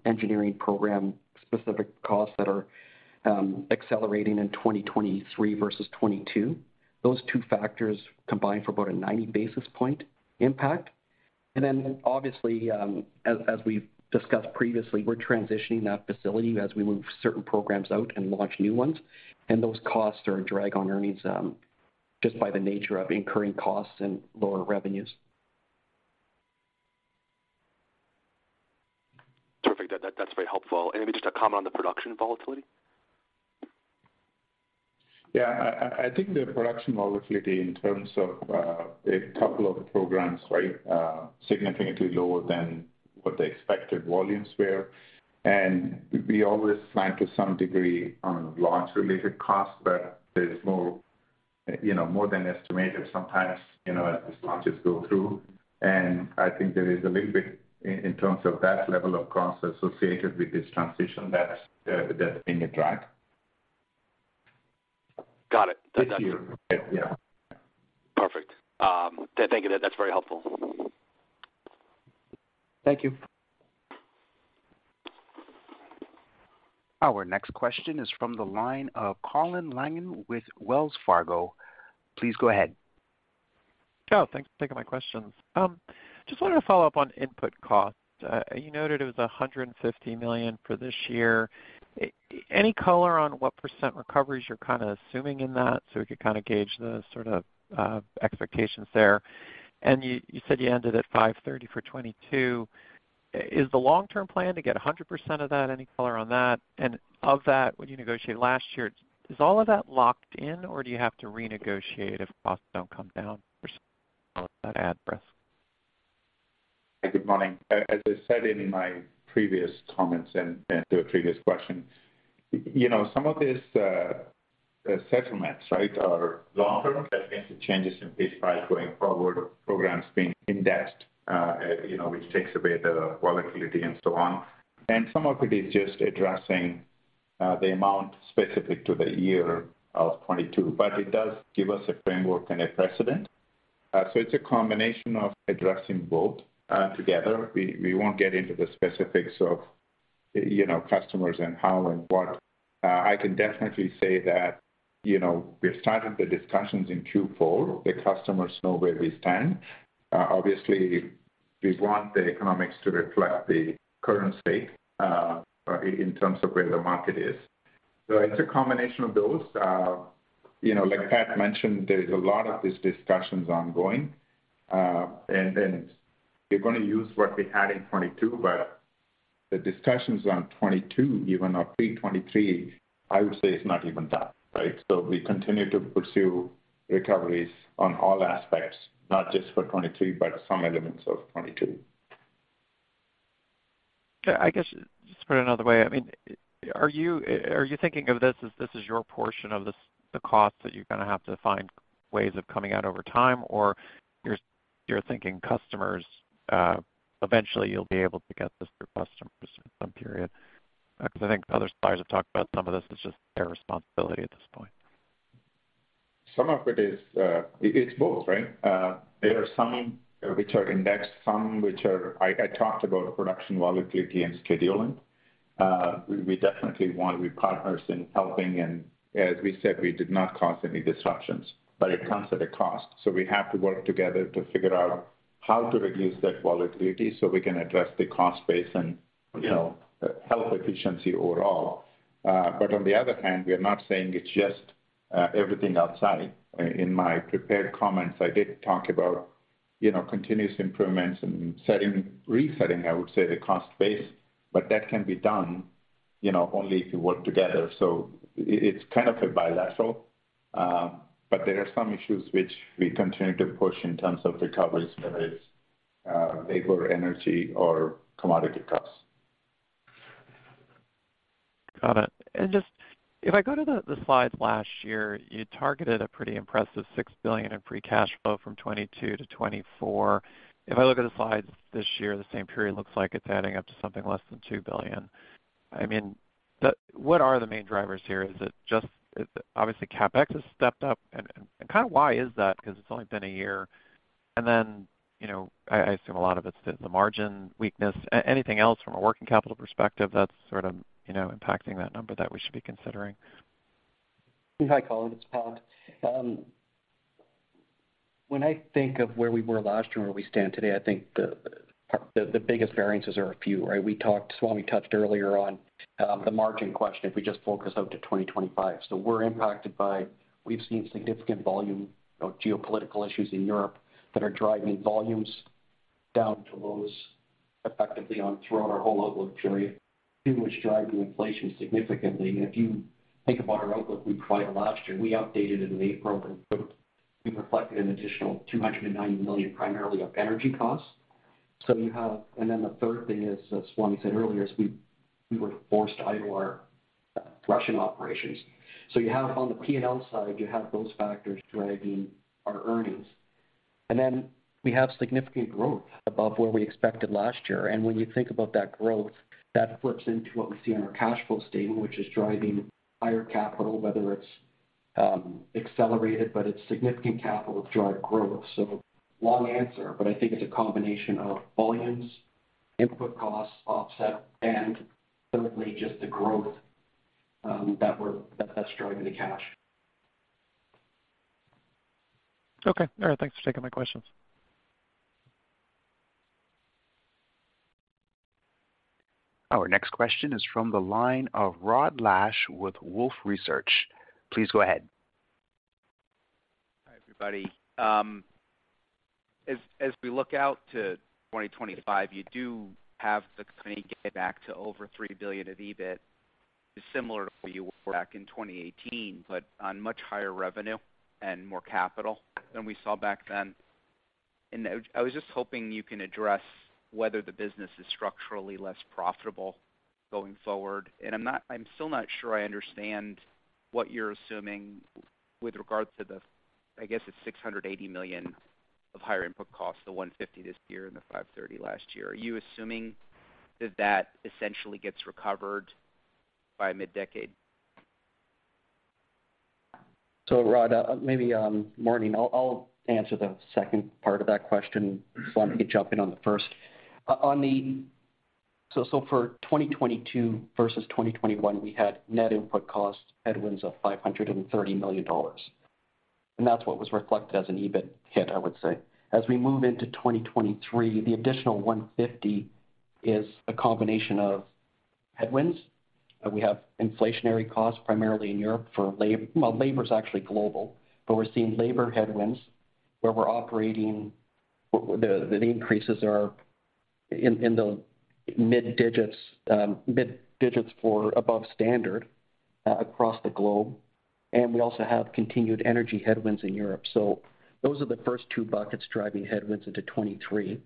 engineering program specific costs that are accelerating in 2023 versus 2022. Those two factors combine for about a 90 basis point impact. Obviously, as we've discussed previously, we're transitioning that facility as we move certain programs out and launch new ones, and those costs are a drag on earnings, just by the nature of incurring costs and lower revenues. Perfect. That's very helpful. Maybe just a comment on the production volatility? Yeah. I think the production volatility in terms of a couple of programs, right, significantly lower than what the expected volumes were. We always plan to some degree on launch-related costs, but there's more, you know, more than estimated sometimes, you know, as these launches go through. I think there is a little bit in terms of that level of costs associated with this transition that's being a drag. Got it. This year. Yeah. Perfect. Thank you. That's very helpful. Thank you. Our next question is from the line of Colin Langan with Wells Fargo. Please go ahead. Thanks for taking my questions. Just wanted to follow up on input costs. You noted it was $150 million for this year. Any color on what percent recoveries you're kind of assuming in that so we could kind of gauge the sort of expectations there? You said you ended at $530 million for 2022. Is the long-term plan to get 100% of that? Any color on that? Of that, when you negotiated last year, is all of that locked in or do you have to renegotiate if costs don't come down for some of that address? Good morning. As I said in my previous comments and to a previous question, you know, some of these settlements, right, are long term. That means the changes in piece price going forward, programs being indexed, you know, which takes away the volatility and so on. Some of it is just addressing the amount specific to the year of 2022, but it does give us a framework and a precedent. It's a combination of addressing both. Together, we won't get into the specifics of, you know, customers and how and what. I can definitely say that, you know, we've started the discussions in Q4. The customers know where we stand. Obviously, we want the economics to reflect the current state in terms of where the market is. It's a combination of those. You know, like Pat mentioned, there's a lot of these discussions ongoing, and we're gonna use what we had in 2022, but the discussions on 2022, even of pre-2023, I would say it's not even that, right? We continue to pursue recoveries on all aspects, not just for 2023, but some elements of 2022. Okay. I guess, just put it another way, I mean, are you thinking of this as this the cost that you're gonna have to find ways of coming out over time? Or you're thinking customers, eventually you'll be able to get this through customers in some period? Because I think other suppliers have talked about some of this is just their responsibility at this point. Some of it is. It's both, right? There are some which are indexed, some which are. I talked about production volatility and scheduling. We definitely want to be partners in helping, and as we said, we did not cause any disruptions, but it comes at a cost. We have to work together to figure out how to reduce that volatility so we can address the cost base and, you know, health efficiency overall. On the other hand, we are not saying it's just everything outside. In my prepared comments, I did talk about, you know, continuous improvements and resetting, I would say, the cost base, but that can be done, you know, only if you work together. It's kind of a bilateral, but there are some issues which we continue to push in terms of recoveries, whether it's labor, energy, or commodity costs. Got it. Just if I go to the slides last year, you targeted a pretty impressive $6 billion in free cash flow from 2022 to 2024. If I look at the slides this year, the same period looks like it's adding up to something less than $2 billion. I mean, what are the main drivers here? Is it, obviously, CapEx has stepped up. Kind of why is that? Because it's only been a year. You know, I assume a lot of it's the margin weakness. Anything else from a working capital perspective that's sort of, you know, impacting that number that we should be considering? Hi, Colin. It's Pat. When I think of where we were last year and where we stand today, I think the biggest variances are a few, right? Swamy touched earlier on the margin question if we just focus out to 2025. We're impacted by, we've seen significant volume of geopolitical issues in Europe that are driving volumes down for those effectively on throughout our whole outlook period, too, which is driving inflation significantly. If you think about our outlook we provided last year, we updated it in April, and we reflected an additional $290 million primarily of energy costs. You have... The third thing is, as Swamy said earlier, is we were forced out of our Russian operations. On the P&L side, you have those factors driving our earnings. Then we have significant growth above where we expected last year. When you think about that growth, that flips into what we see on our cash flow statement, which is driving higher capital, whether it's accelerated, but it's significant capital-driven growth. Long answer, but I think it's a combination of volumes, input costs offset, and thirdly, just the growth that's driving the cash. Okay. All right. Thanks for taking my questions. Our next question is from the line of Rod Lache with Wolfe Research. Please go ahead. Hi, everybody. As, as we look out to 2025, you do have the company getting back to over $3 billion of EBIT, similar to where you were back in 2018, but on much higher revenue and more capital than we saw back then. I was just hoping you can address whether the business is structurally less profitable going forward. I'm still not sure I understand what you're assuming with regard to the, I guess, it's $680 million of higher input costs, the $150 this year and the $530 last year. Are you assuming that that essentially gets recovered by mid-decade? Rod, maybe, [morning], I'll answer the second part of that question. Swamy can jump in on the first. For 2022 versus 2021, we had net input cost headwinds of $530 million, and that's what was reflected as an EBIT hit, I would say. As we move into 2023, the additional $150 is a combination of headwinds. We have inflationary costs primarily in Europe for labor. Labor is actually global, but we're seeing labor headwinds where we're operating where the increases are in the mid digits, mid digits for above standard across the globe. We also have continued energy headwinds in Europe. Those are the first two buckets driving headwinds into 2023.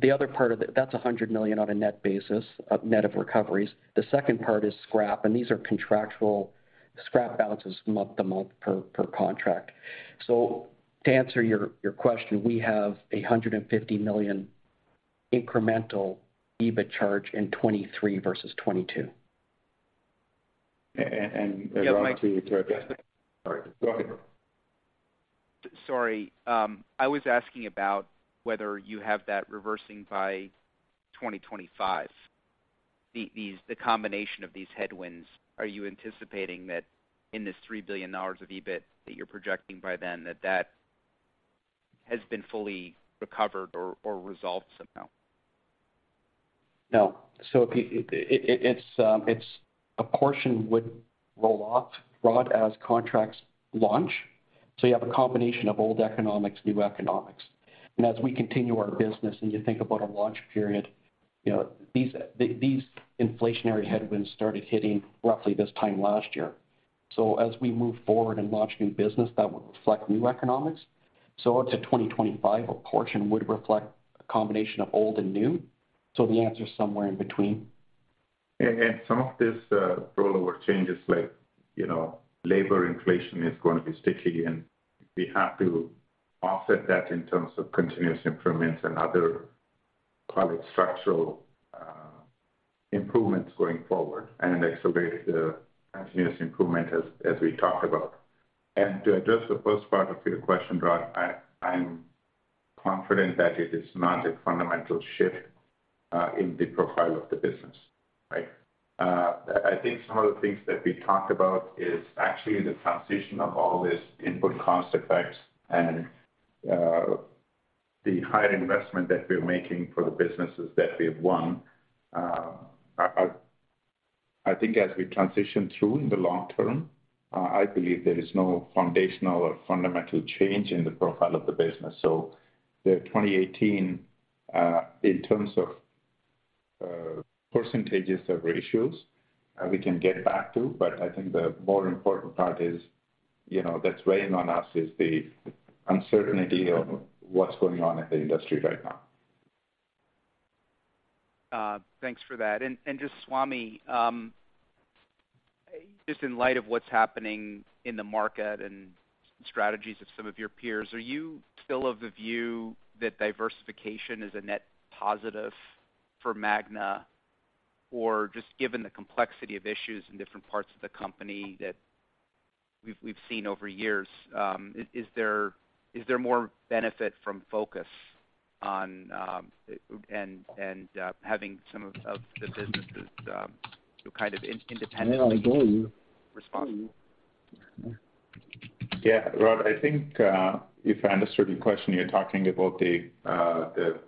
The other part of it. That's $100 million on a net basis, net of recoveries. The second part is scrap, these are contractual scrap balances month to month per contract. To answer your question, we have a $150 million incremental EBIT charge in 2023 versus 2022. Rod, to you. Yeah. Sorry, go ahead. Sorry. I was asking about whether you have that reversing by 2025. The combination of these headwinds, are you anticipating that in this $3 billion of EBIT that you're projecting by then, that that has been fully recovered or resolved somehow? No. It's a portion would roll off, Rod, as contracts launch. You have a combination of old economics, new economics. As we continue our business, and you think about a launch period, you know, these inflationary headwinds started hitting roughly this time last year. As we move forward and launch new business, that would reflect new economics. Out to 2025, a portion would reflect a combination of old and new. The answer is somewhere in between. Some of this rollover changes like, you know, labor inflation is gonna be sticky, and we have to offset that in terms of continuous improvements and other, call it, structural improvements going forward and accelerate the continuous improvement as we talked about. To address the first part of your question, Rod, I'm confident that it is not a fundamental shift in the profile of the business, right? I think some of the things that we talked about is actually the transition of all this input cost effects and the higher investment that we're making for the businesses that we have won. I think as we transition through in the long term, I believe there is no foundational or fundamental change in the profile of the business. The 2018, in terms of percentages of ratios, we can get back to, but I think the more important part is, you know, that's weighing on us is the uncertainty of what's going on in the industry right now. Thanks for that. Just Swamy, just in light of what's happening in the market and strategies of some of your peers, are you still of the view that diversification is a net positive for Magna? Just given the complexity of issues in different parts of the company that we've seen over years, is there more benefit from focus on and having some of the businesses kind of in-independent Yeah, I hear you.... respond? Yeah, Rod, I think if I understood your question, you're talking about the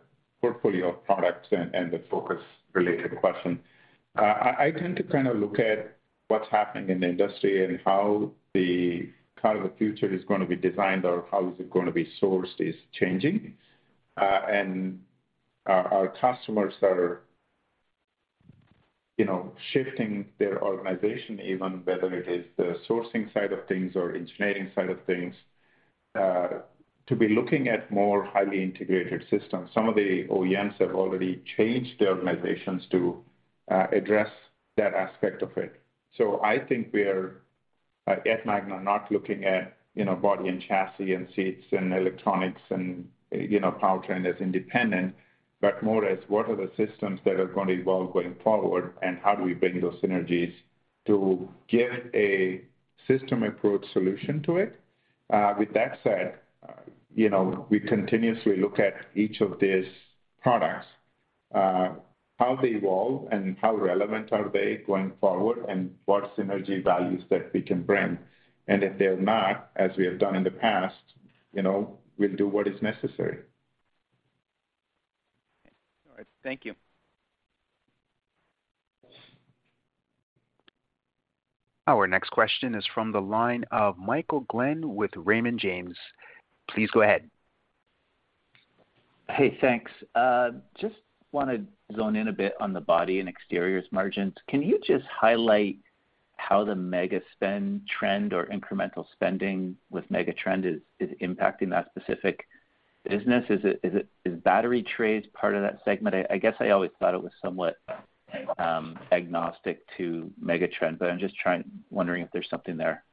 portfolio of products and the focus related question. I tend to kind of look at what's happening in the industry and how the car of the future is gonna be designed or how is it gonna be sourced is changing. Our customers are, you know, shifting their organization even, whether it is the sourcing side of things or engineering side of things, to be looking at more highly integrated systems. Some of the OEMs have already changed their organizations to address that aspect of it. I think we're at Magna, not looking at, you know, body and chassis and seats and electronics and, you know, powertrain as independent, but more as what are the systems that are gonna evolve going forward, and how do we bring those synergies to give a system approach solution to it. With that said, you know, we continuously look at each of these products, how they evolve and how relevant are they going forward and what synergy values that we can bring. If they're not, as we have done in the past, you know, we'll do what is necessary. All right. Thank you. Our next question is from the line of Michael Glen with Raymond James. Please go ahead. Thanks. Just wanna zone in a bit on the Body Exteriors & Structures margins. Can you just highlight how the megatrend or incremental spending with megatrend is impacting that specific business? Is battery enclosures part of that segment? I guess I always thought it was somewhat agnostic to megatrend, but I'm just wondering if there's something there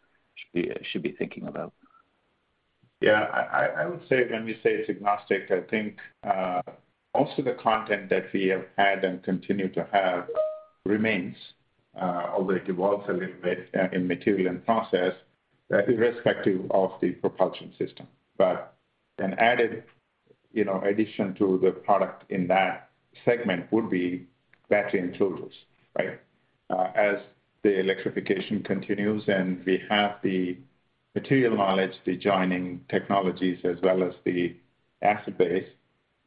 we should be thinking about. I would say when we say it's agnostic, I think most of the content that we have had and continue to have remains, although it evolves a little bit, in material and process, irrespective of the propulsion system. An added, you know, addition to the product in that segment would be battery enclosures, right? As the electrification continues and we have the material knowledge, the joining technologies, as well as the asset base,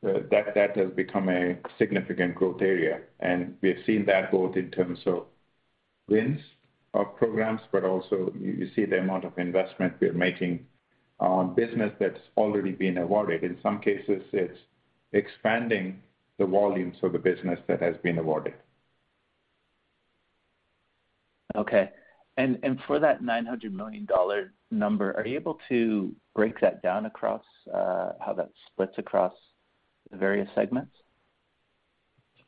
that has become a significant growth area. We have seen that both in terms of wins of programs, but also you see the amount of investment we're making on business that's already been awarded. In some cases, it's expanding the volumes of the business that has been awarded. Okay. For that $900 million number, are you able to break that down across how that splits across the various segments?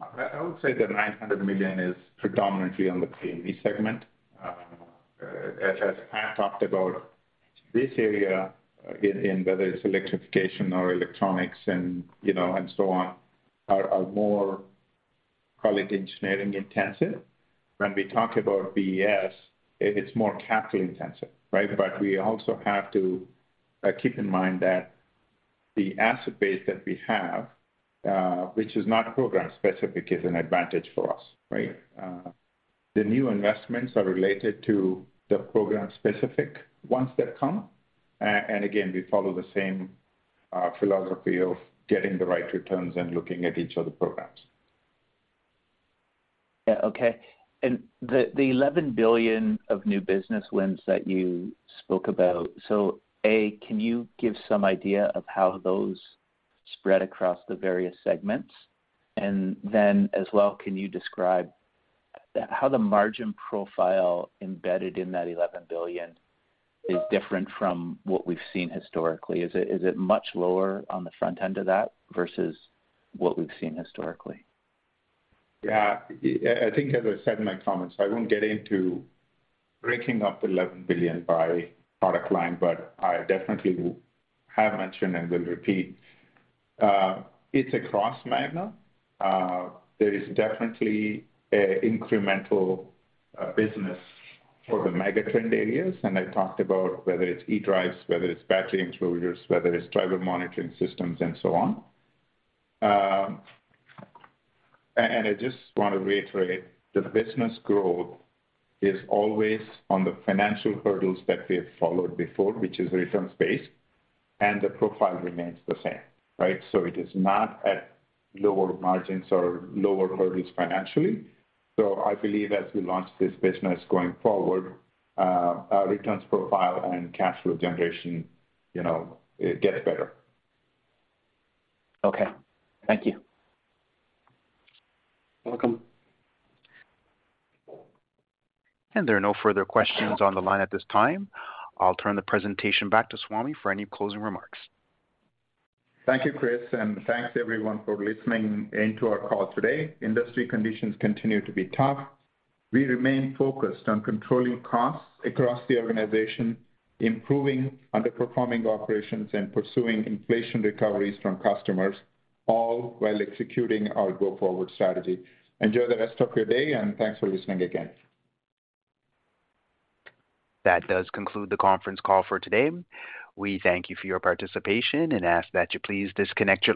I would say the $900 million is predominantly on the P&V segment. As Pat talked about. This area in whether it's electrification or electronics and, you know, and so on are more call it engineering-intensive. When we talk about BES, it's more capital intensive, right? We also have to keep in mind that the asset base that we have, which is not program specific, is an advantage for us, right? Again, we follow the same philosophy of getting the right returns and looking at each of the programs. Yeah, okay. The $11 billion of new business wins that you spoke about, so A, can you give some idea of how those spread across the various segments? As well, can you describe how the margin profile embedded in that $11 billion is different from what we've seen historically? Is it much lower on the front end of that versus what we've seen historically? I think as I said in my comments, I won't get into breaking up $11 billion by product line, but I definitely will have mentioned and will repeat, it's across Magna. There is definitely a incremental business for the megatrend areas, and I talked about whether it's eDrives, whether it's battery enclosures, whether it's driver monitoring systems and so on. And I just want to reiterate, the business growth is always on the financial hurdles that we have followed before, which is returns-based, and the profile remains the same, right? It is not at lower margins or lower hurdles financially. I believe as we launch this business going forward, our returns profile and cash flow generation, you know, it gets better. Okay. Thank you. Welcome. There are no further questions on the line at this time. I'll turn the presentation back to Swamy for any closing remarks. Thank you, Chris. Thanks everyone for listening in to our call today. Industry conditions continue to be tough. We remain focused on controlling costs across the organization, improving underperforming operations, and pursuing inflation recoveries from customers, all while executing our go-forward strategy. Enjoy the rest of your day. Thanks for listening again. That does conclude the conference call for today. We thank you for your participation and ask that you please disconnect.